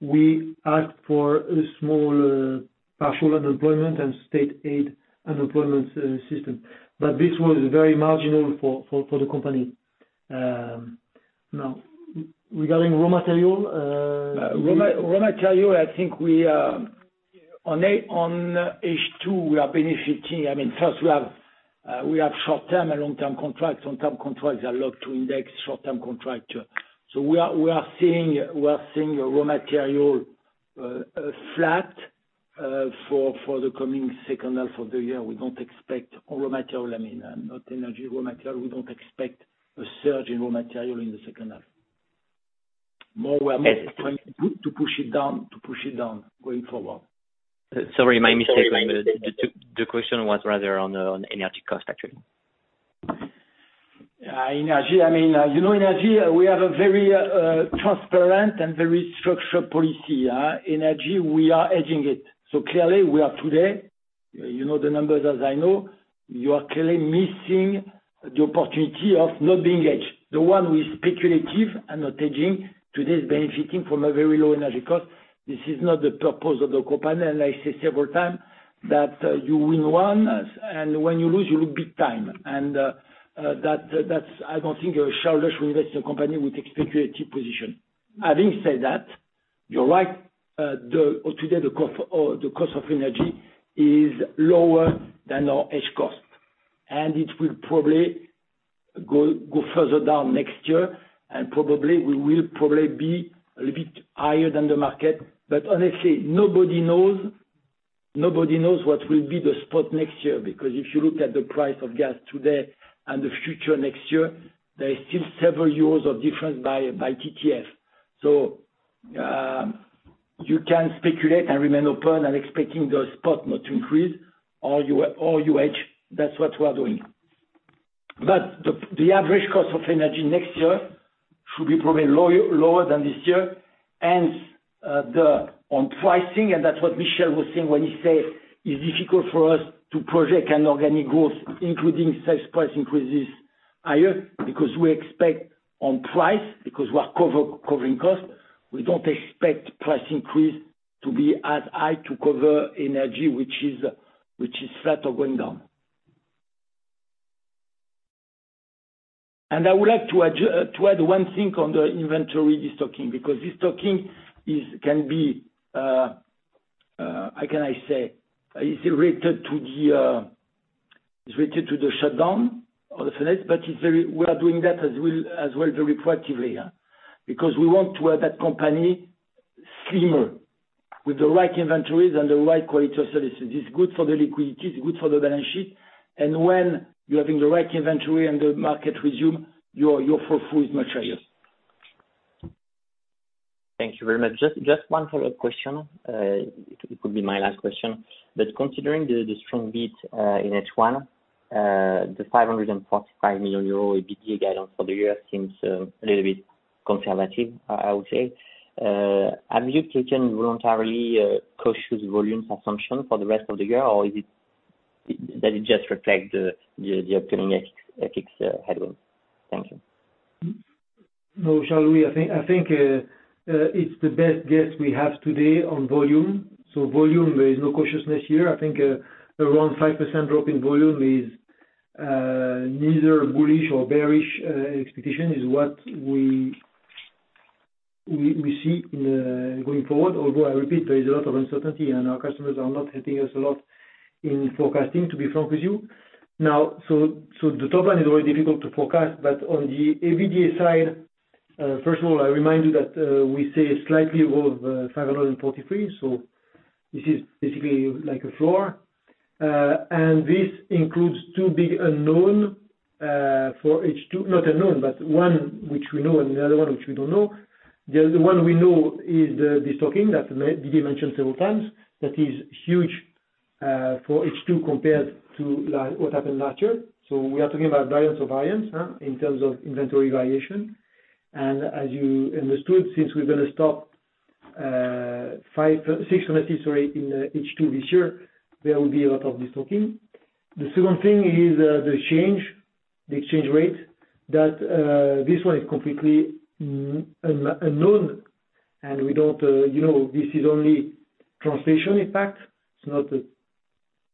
we asked for a small partial unemployment and state aid unemployment system. This was very marginal for the company. Regarding raw material. Raw material, I think on H2, we are benefiting. First we have short-term and long-term contracts. Long-term contracts are locked to index, short-term contracts too. We are seeing raw material flat for the coming second half of the year. We don't expect raw material, not energy raw material, we don't expect a surge in raw material in the second half. More work to push it down, going forward. Sorry, my mistake. The question was rather on energy cost, actually. Energy, we have a very transparent and very structured policy. Energy, we are hedging it. Clearly we are today, you know the numbers as I know, you are clearly missing the opportunity of not being hedged. The one who is speculative and not hedging today is benefiting from a very low energy cost. This is not the purpose of the company, and I say several times that you win one, and when you lose, you lose big time. I don't think a shareholder who invests in a company would take speculative position. Having said that, you're right, today, the cost of energy is lower than our edge cost, and it will probably go further down next year, and probably we will probably be a little bit higher than the market. Honestly, nobody knows what will be the spot next year, because if you look at the price of gas today and the future next year, there is still several years of difference by TTF. You can speculate and remain open and expecting the spot not to increase or you edge. That's what we are doing. The average cost of energy next year should be probably lower than this year. On pricing, and that's what Michel was saying when he say it's difficult for us to project an organic growth, including sales price increases higher because we expect on price, because we are covering cost, we don't expect price increase to be as high to cover energy, which is flat or going down. I would like to add one thing on the inventory destocking, because destocking can be, how can I say? Is related to the shutdown of the furnace, but we are doing that as well, very proactively. We want to have that company slimmer with the right inventories and the right quality of services. It's good for the liquidity, it's good for the balance sheet. When you're having the right inventory and the market resume, your full throughput is much higher. Thank you very much. Just one follow-up question. It could be my last question. Considering the strong beat in H1, the 545 million euro EBITDA guidance for the year seems a little bit conservative, I would say. Have you taken voluntarily cautious volume assumption for the rest of the year, or does it just reflect the upcoming EBITDA headwind? Thank you. No, shall we? I think it's the best guess we have today on volume. Volume, there is no cautiousness here. I think around 5% drop in volume is neither a bullish or bearish expectation, is what we see in going forward. Although, I repeat, there is a lot of uncertainty, and our customers are not helping us a lot in forecasting, to be frank with you. The top line is very difficult to forecast, but on the EBITDA side, first of all, I remind you that we say slightly above 543. This is basically like a floor. This includes two big unknown for H2—not unknown, but one which we know and the other one which we don't know. The one we know is destocking that Didier mentioned several times, that is huge for H2 compared to what happened last year. We are talking about billions of billions in terms of inventory variation. As you understood, since we are going to stop six furnaces in H2 this year, there will be a lot of destocking. The second thing is the exchange rate, that this one is completely unknown, and this is only translation impact. It is not a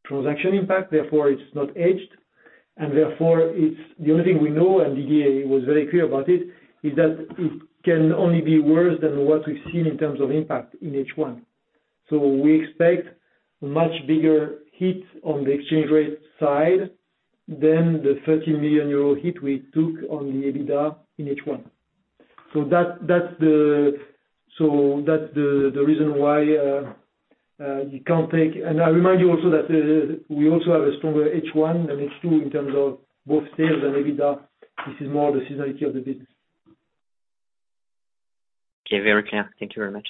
transaction impact, therefore it is not hedged. Therefore, the only thing we know, and Didier was very clear about it, is that it can only be worse than what we have seen in terms of impact in H1. We expect a much bigger hit on the exchange rate side than the 13 million euro hit we took on the EBITDA in H1. That's the reason why. I remind you also that we also have a stronger H1 than H2 in terms of both sales and EBITDA. This is more the seasonality of the business. Okay. Very clear. Thank you very much.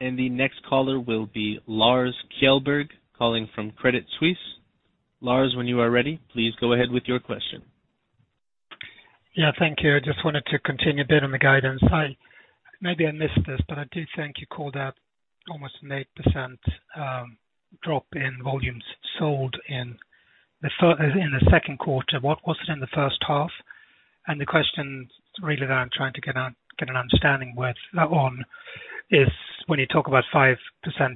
The next caller will be Lars Kjellberg, calling from Credit Suisse. Lars, when you are ready, please go ahead with your question. Yeah, thank you. I just wanted to continue a bit on the guidance. Maybe I missed this, but I did think you called out almost an 8% drop in volumes sold in the second quarter. What was it in the first half? The question really that I'm trying to get an understanding on is when you talk about 5%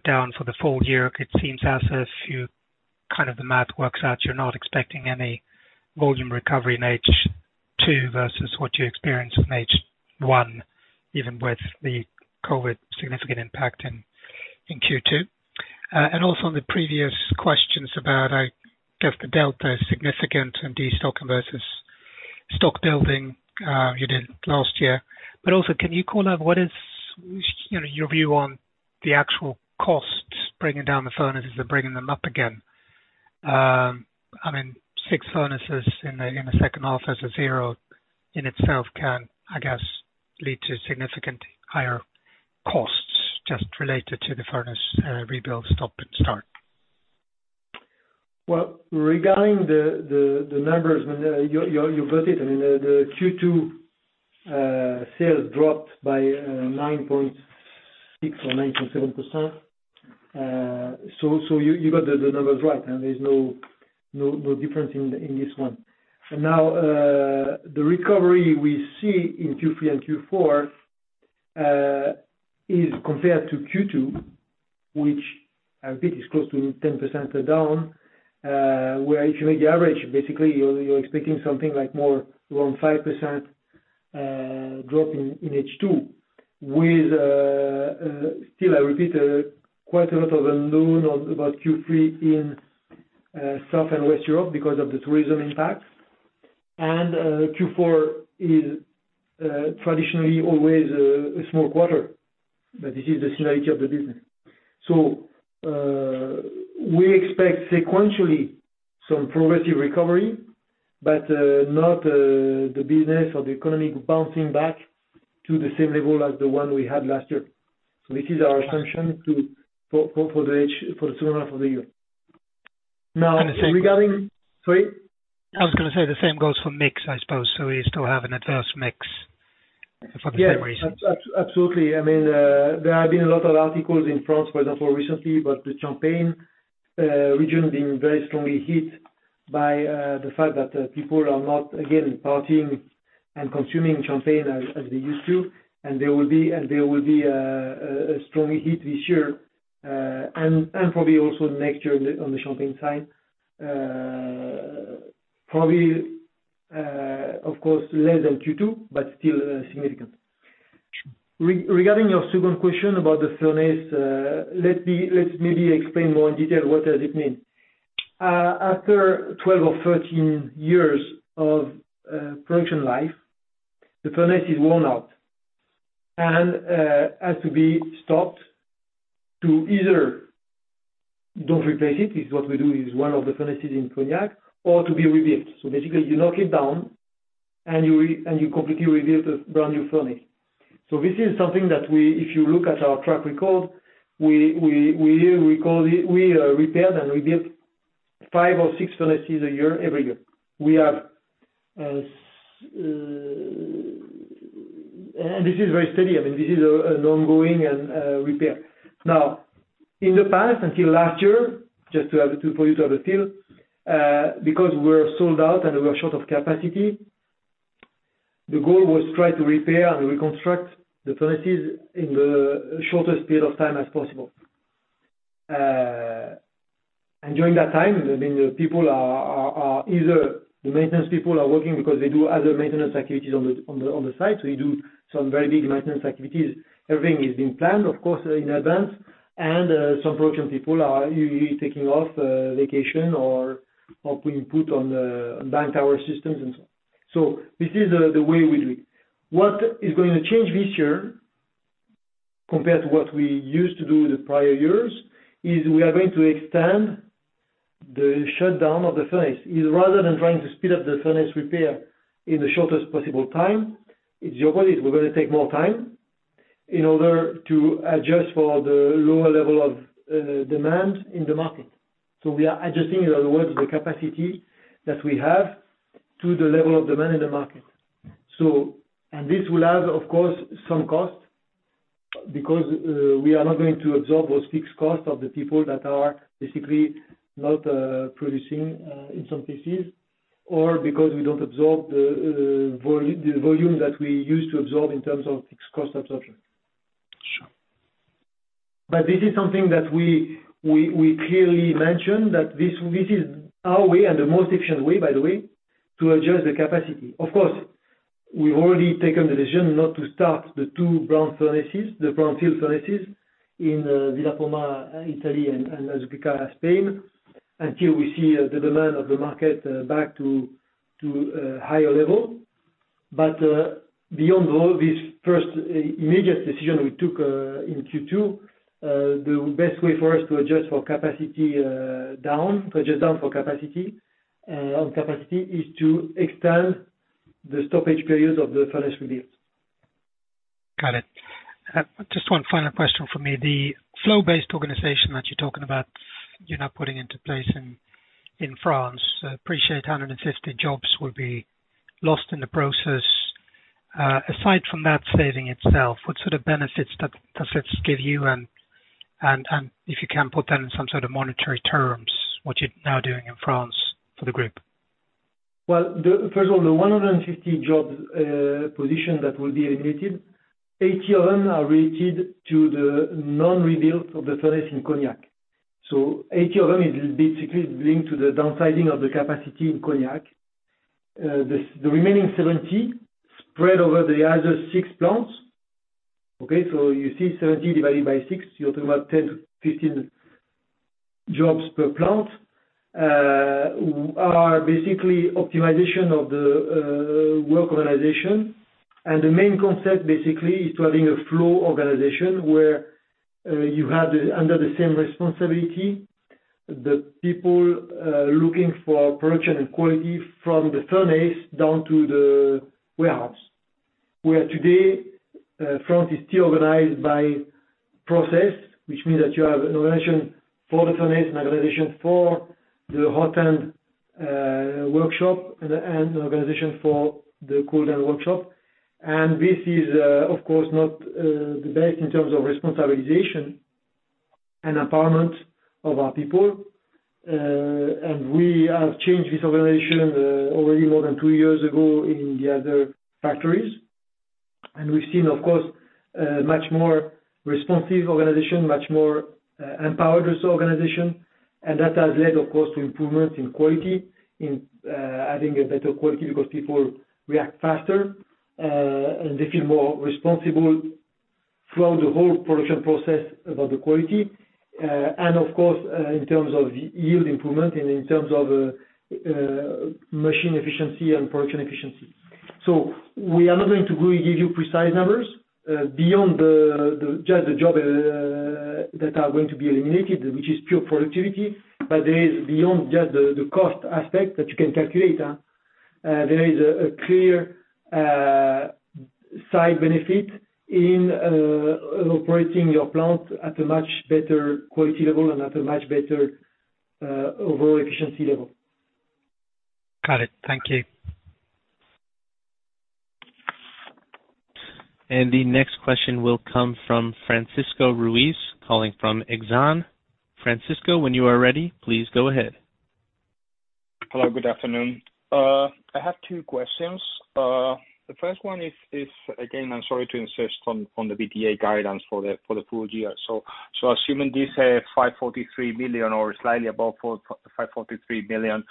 down for the full year, it seems as if the math works out, you're not expecting any volume recovery in H2 versus what you experienced in H1, even with the COVID significant impact in Q2. Also on the previous questions about, I guess the delta is significant in destocking versus stock building you did last year. Also, can you call out what is your view on the actual costs, bringing down the furnaces and bringing them up again? Six furnaces in the second half as a zero in itself can, I guess, lead to significant higher costs just related to the furnace rebuild stop and start. Well, regarding the numbers, you got it. The Q2 sales dropped by 9.6% or 9.7%. You got the numbers right, and there's no difference in this one. The recovery we see in Q3 and Q4 is compared to Q2, which I repeat, is close to 10% down. Where if you make the average, basically, you're expecting something like more along 5% drop in H2. Still, I repeat, quite a lot of unknown about Q3 in South and West Europe because of the tourism impact. Q4 is traditionally always a small quarter, but this is the seasonality of the business. We expect sequentially some progressive recovery, but not the business or the economy bouncing back to the same level as the one we had last year. This is our assumption for the second half of the year. Regarding-- Sorry? I was going to say the same goes for mix, I suppose. We still have an adverse mix for the same reason. Yes. Absolutely. There have been a lot of articles in France, for example, recently, about the Champagne region being very strongly hit by the fact that people are not, again, partying and consuming Champagne as they used to. They will be strongly hit this year, and probably also next year on the Champagne side. Probably, of course, less than Q2, but still significant. Regarding your second question about the furnace, let me explain more in detail what does it mean? After 12 or 13 years of production life, the furnace is worn out and has to be stopped to either don't replace it, is what we do is one of the furnaces in Cognac, or to be rebuilt. Basically, you knock it down, and you completely rebuild a brand-new furnace. This is something that if you look at our track record, we repaired and rebuilt five or six furnaces a year every year. This is very steady. This is an ongoing repair. In the past, until last year, just for you to have a feel, because we were sold out and we were short of capacity, the goal was try to repair and reconstruct the furnaces in the shortest period of time as possible. During that time, the maintenance people are working because they do other maintenance activities on the site. We do some very big maintenance activities. Everything is being planned, of course, in advance, and some production people are taking off vacation or putting input on banked hour systems and so on. This is the way we do it. What is going to change this year compared to what we used to do the prior years is we are going to extend the shutdown of the furnace. Rather than trying to speed up the furnace repair in the shortest possible time, the opposite, we're going to take more time in order to adjust for the lower level of demand in the market. We are adjusting, in other words, the capacity that we have to the level of demand in the market. This will have, of course, some cost because we are not going to absorb those fixed costs of the people that are basically not producing in some PCs or because we don't absorb the volume that we used to absorb in terms of fixed cost absorption. Sure. This is something that we clearly mentioned that this is our way and the most efficient way, by the way, to adjust the capacity. Of course, we've already taken the decision not to start the two brownfield furnaces in Villa Poma, Italy, and Azuqueca, Spain, until we see the demand of the market back to a higher level. Beyond all this first immediate decision we took in Q2, the best way for us to adjust down for capacity on capacity is to extend the stoppage period of the furnace rebuild. Got it. Just one final question from me. The flow-based organization that you're talking about, you're now putting into place in France. Appreciate 150 jobs will be lost in the process. Aside from that saving itself, what sort of benefits does this give you? If you can put that in some sort of monetary terms, what you're now doing in France for the group. Well, first of all, the 150 job position that will be eliminated, 80 of them are related to the non-rebuild of the furnace in Cognac. 80 of them is basically linked to the downsizing of the capacity in Cognac. The remaining 70 spread over the other six plants. Okay, you see 70 divided by six, you're talking about 10 to 15 jobs per plant, are basically optimization of the work organization. The main concept basically is to having a flow organization where you have, under the same responsibility, the people looking for production and quality from the furnace down to the warehouse. Where today, France is still organized by process, which means that you have an organization for the furnace, an organization for the hot end workshop, and an organization for the cool down workshop. This is, of course, not the best in terms of responsibilization and empowerment of our people. We have changed this organization already more than two years ago in the other factories. We've seen, of course, much more responsive organization, much more empowered organization. That has led, of course, to improvements in quality, in adding a better quality because people react faster, and they feel more responsible throughout the whole production process about the quality. Of course, in terms of yield improvement and in terms of machine efficiency and production efficiency. We are not going to give you precise numbers beyond just the job that are going to be eliminated, which is pure productivity. There is beyond just the cost aspect that you can calculate. There is a clear side benefit in operating your plant at a much better quality level and at a much better overall efficiency level. Got it. Thank you. The next question will come from Francisco Ruiz, calling from Exane. Francisco, when you are ready, please go ahead. Hello, good afternoon. I have two questions. The first one is, again, I'm sorry to insist on the EBITDA guidance for the full year. Assuming this 543 million or slightly above 543 million,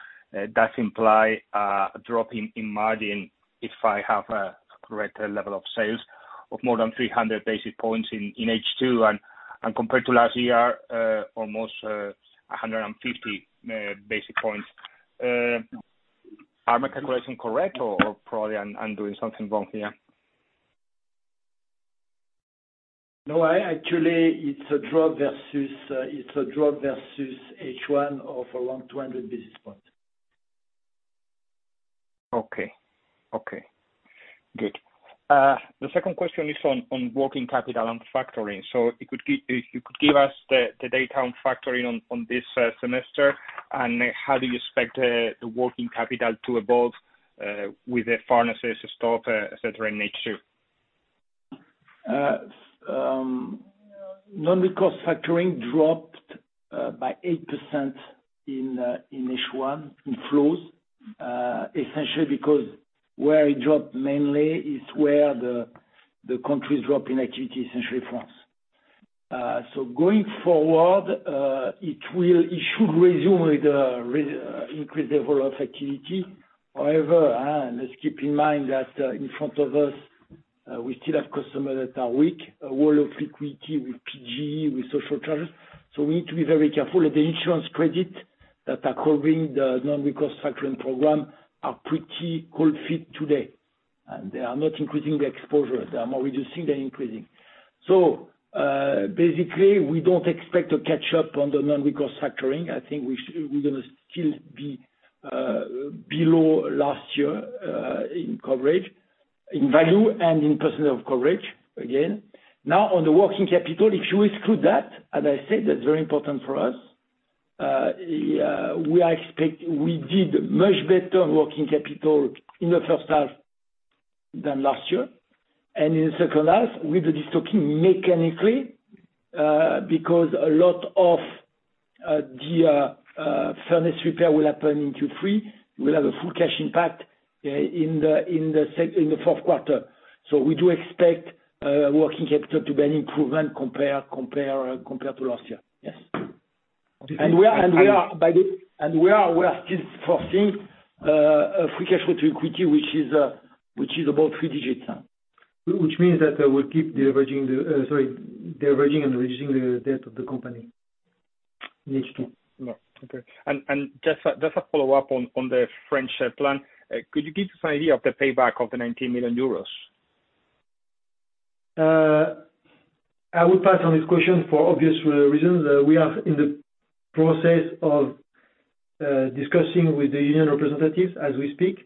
does imply a drop in margin if I have a correct level of sales of more than 300 basis points in H2 and compared to last year, almost 150 basis points. Am I calculating correct, or probably I'm doing something wrong here? No, actually it's a drop versus H1 of around 200 basis points. Okay. Good. The second question is on working capital and factoring. If you could give us the data on factoring on this semester, and how do you expect the working capital to evolve with the furnaces stock, et cetera, in H2? Non-recourse factoring dropped by 8% in H1, in flows. Because where it dropped mainly is where the countries drop in activity, essentially France. Going forward, it should resume with increased level of activity. Let's keep in mind that in front of us, we still have customers that are weak, a wall of liquidity with PGE, with social charges. We need to be very careful. The insurance credit that are covering the non-recourse factoring program are pretty cold feet today, and they are not increasing the exposure. They are more reducing than increasing. Basically, we don't expect to catch up on the non-recourse factoring. I think we're going to still be below last year in coverage, in value and in percentage of coverage again. On the working capital, if you exclude that, as I said, that's very important for us. We did much better on working capital in the first half than last year. In the second half, we will be stocking mechanically because a lot of the furnace repair will happen in Q3. We'll have a full cash impact in the fourth quarter. We do expect working capital to be an improvement compared to last year. Yes. We are still forecasting a free cash flow to equity, which is about three digits. Which means that we'll keep leveraging and reducing the debt of the company in H2. Okay. Just a follow-up on the French plan. Could you give us an idea of the payback of the 19 million euros? I would pass on this question for obvious reasons. We are in the process of discussing with the union representatives as we speak.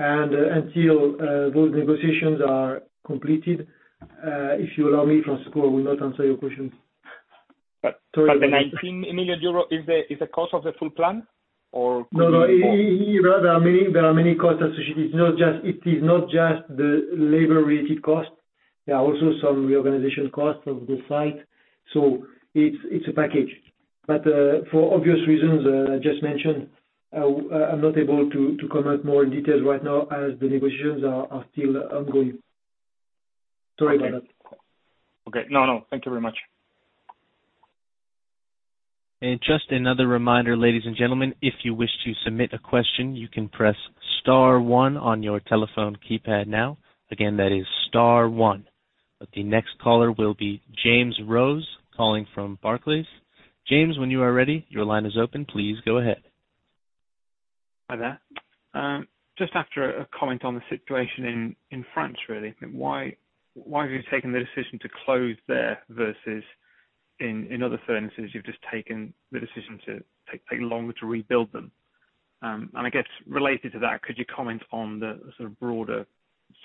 Until those negotiations are completed, if you allow me, Francisco, I will not answer your questions. The 19 million euro is the cost of the full plan or could be more? No. There are many costs associated. It is not just the labor-related costs. There are also some reorganization costs of the site. It's a package. For obvious reasons I just mentioned, I'm not able to comment more in details right now as the negotiations are still ongoing. Sorry about that. Okay. No, thank you very much. Just another reminder, ladies and gentlemen, if you wish to submit a question, you can press star one on your telephone keypad now. Again, that is star one. The next caller will be James Rose calling from Barclays. James, when you are ready, your line is open. Please go ahead. Hi there. Just after a comment on the situation in France, really. Why have you taken the decision to close there versus in other furnaces, you've just taken the decision to take longer to rebuild them? I guess related to that, could you comment on the sort of broader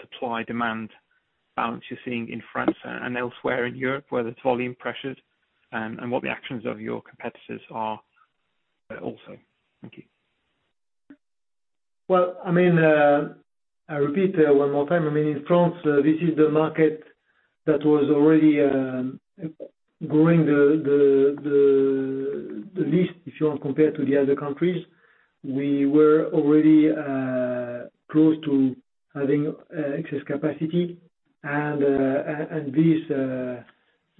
supply-demand balance you're seeing in France and elsewhere in Europe, whether it's volume pressures and what the actions of your competitors are also. Thank you. Well, I repeat one more time. In France, this is the market that was already growing the least, if you want to compare to the other countries. We were already close to having excess capacity. This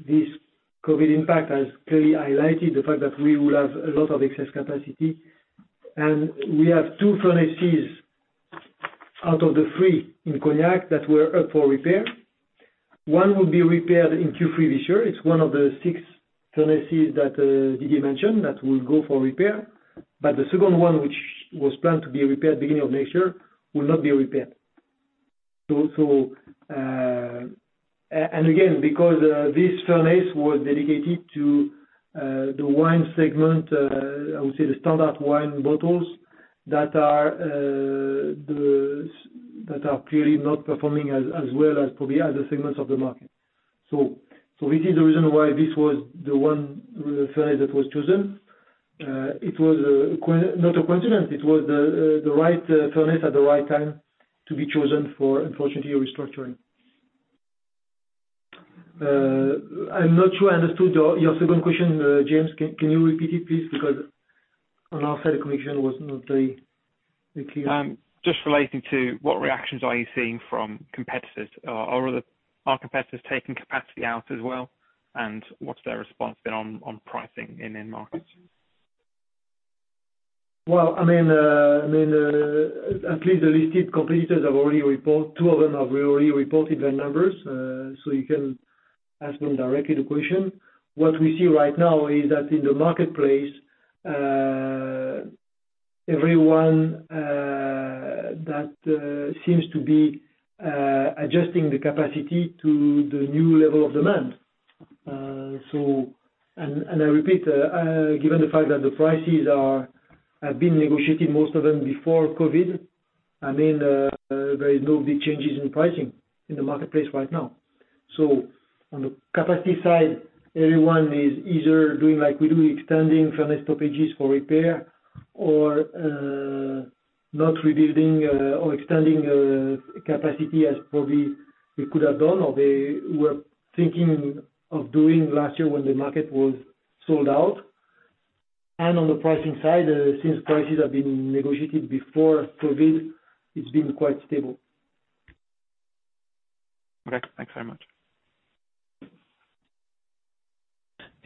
COVID-19 impact has clearly highlighted the fact that we will have a lot of excess capacity. We have two furnaces out of the three in Cognac that were up for repair. One will be repaired in Q3 this year. It's one of the six furnaces that Didier mentioned that will go for repair. The second one, which was planned to be repaired beginning of next year, will not be repaired. Again, because this furnace was dedicated to the wine segment, I would say the standard wine bottles that are clearly not performing as well as probably other segments of the market. This is the reason why this was the one furnace that was chosen. It was not a coincidence. It was the right furnace at the right time to be chosen for, unfortunately, a restructuring. I'm not sure I understood your second question, James. Can you repeat it, please? Because on our side, the connection was not very clear. Just relating to what reactions are you seeing from competitors? Are competitors taking capacity out as well? What's their response been on pricing in end markets? Well, at least the listed competitors, two of them have already reported their numbers. You can ask them directly the question. What we see right now is that in the marketplace, everyone that seems to be adjusting the capacity to the new level of demand. I repeat, given the fact that the prices have been negotiated, most of them before COVID, there is no big changes in pricing in the marketplace right now. On the capacity side, everyone is either doing like we do, extending furnace stoppages for repair or not rebuilding or extending capacity as probably we could have done, or they were thinking of doing last year when the market was sold out. On the pricing side, since prices have been negotiated before COVID, it's been quite stable. Okay. Thanks very much.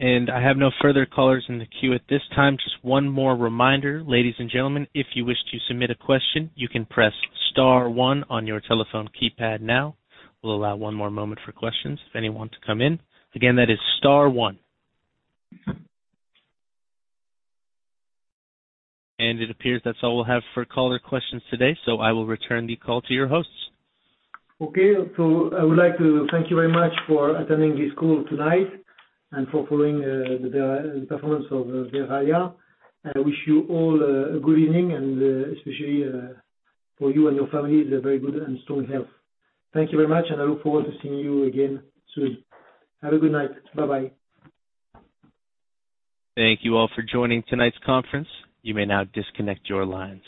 I have no further callers in the queue at this time. Just one more reminder, ladies and gentlemen. If you wish to submit a question, you can press star one on your telephone keypad now. We'll allow one more moment for questions if anyone to come in. Again, that is star one. It appears that's all we'll have for caller questions today, so I will return the call to your hosts. Okay. I would like to thank you very much for attending this call tonight and for following the performance of Verallia. I wish you all a good evening and, especially for you and your family, a very good and strong health. Thank you very much, and I look forward to seeing you again soon. Have a good night. Bye-bye. Thank you all for joining tonight's conference. You may now disconnect your lines.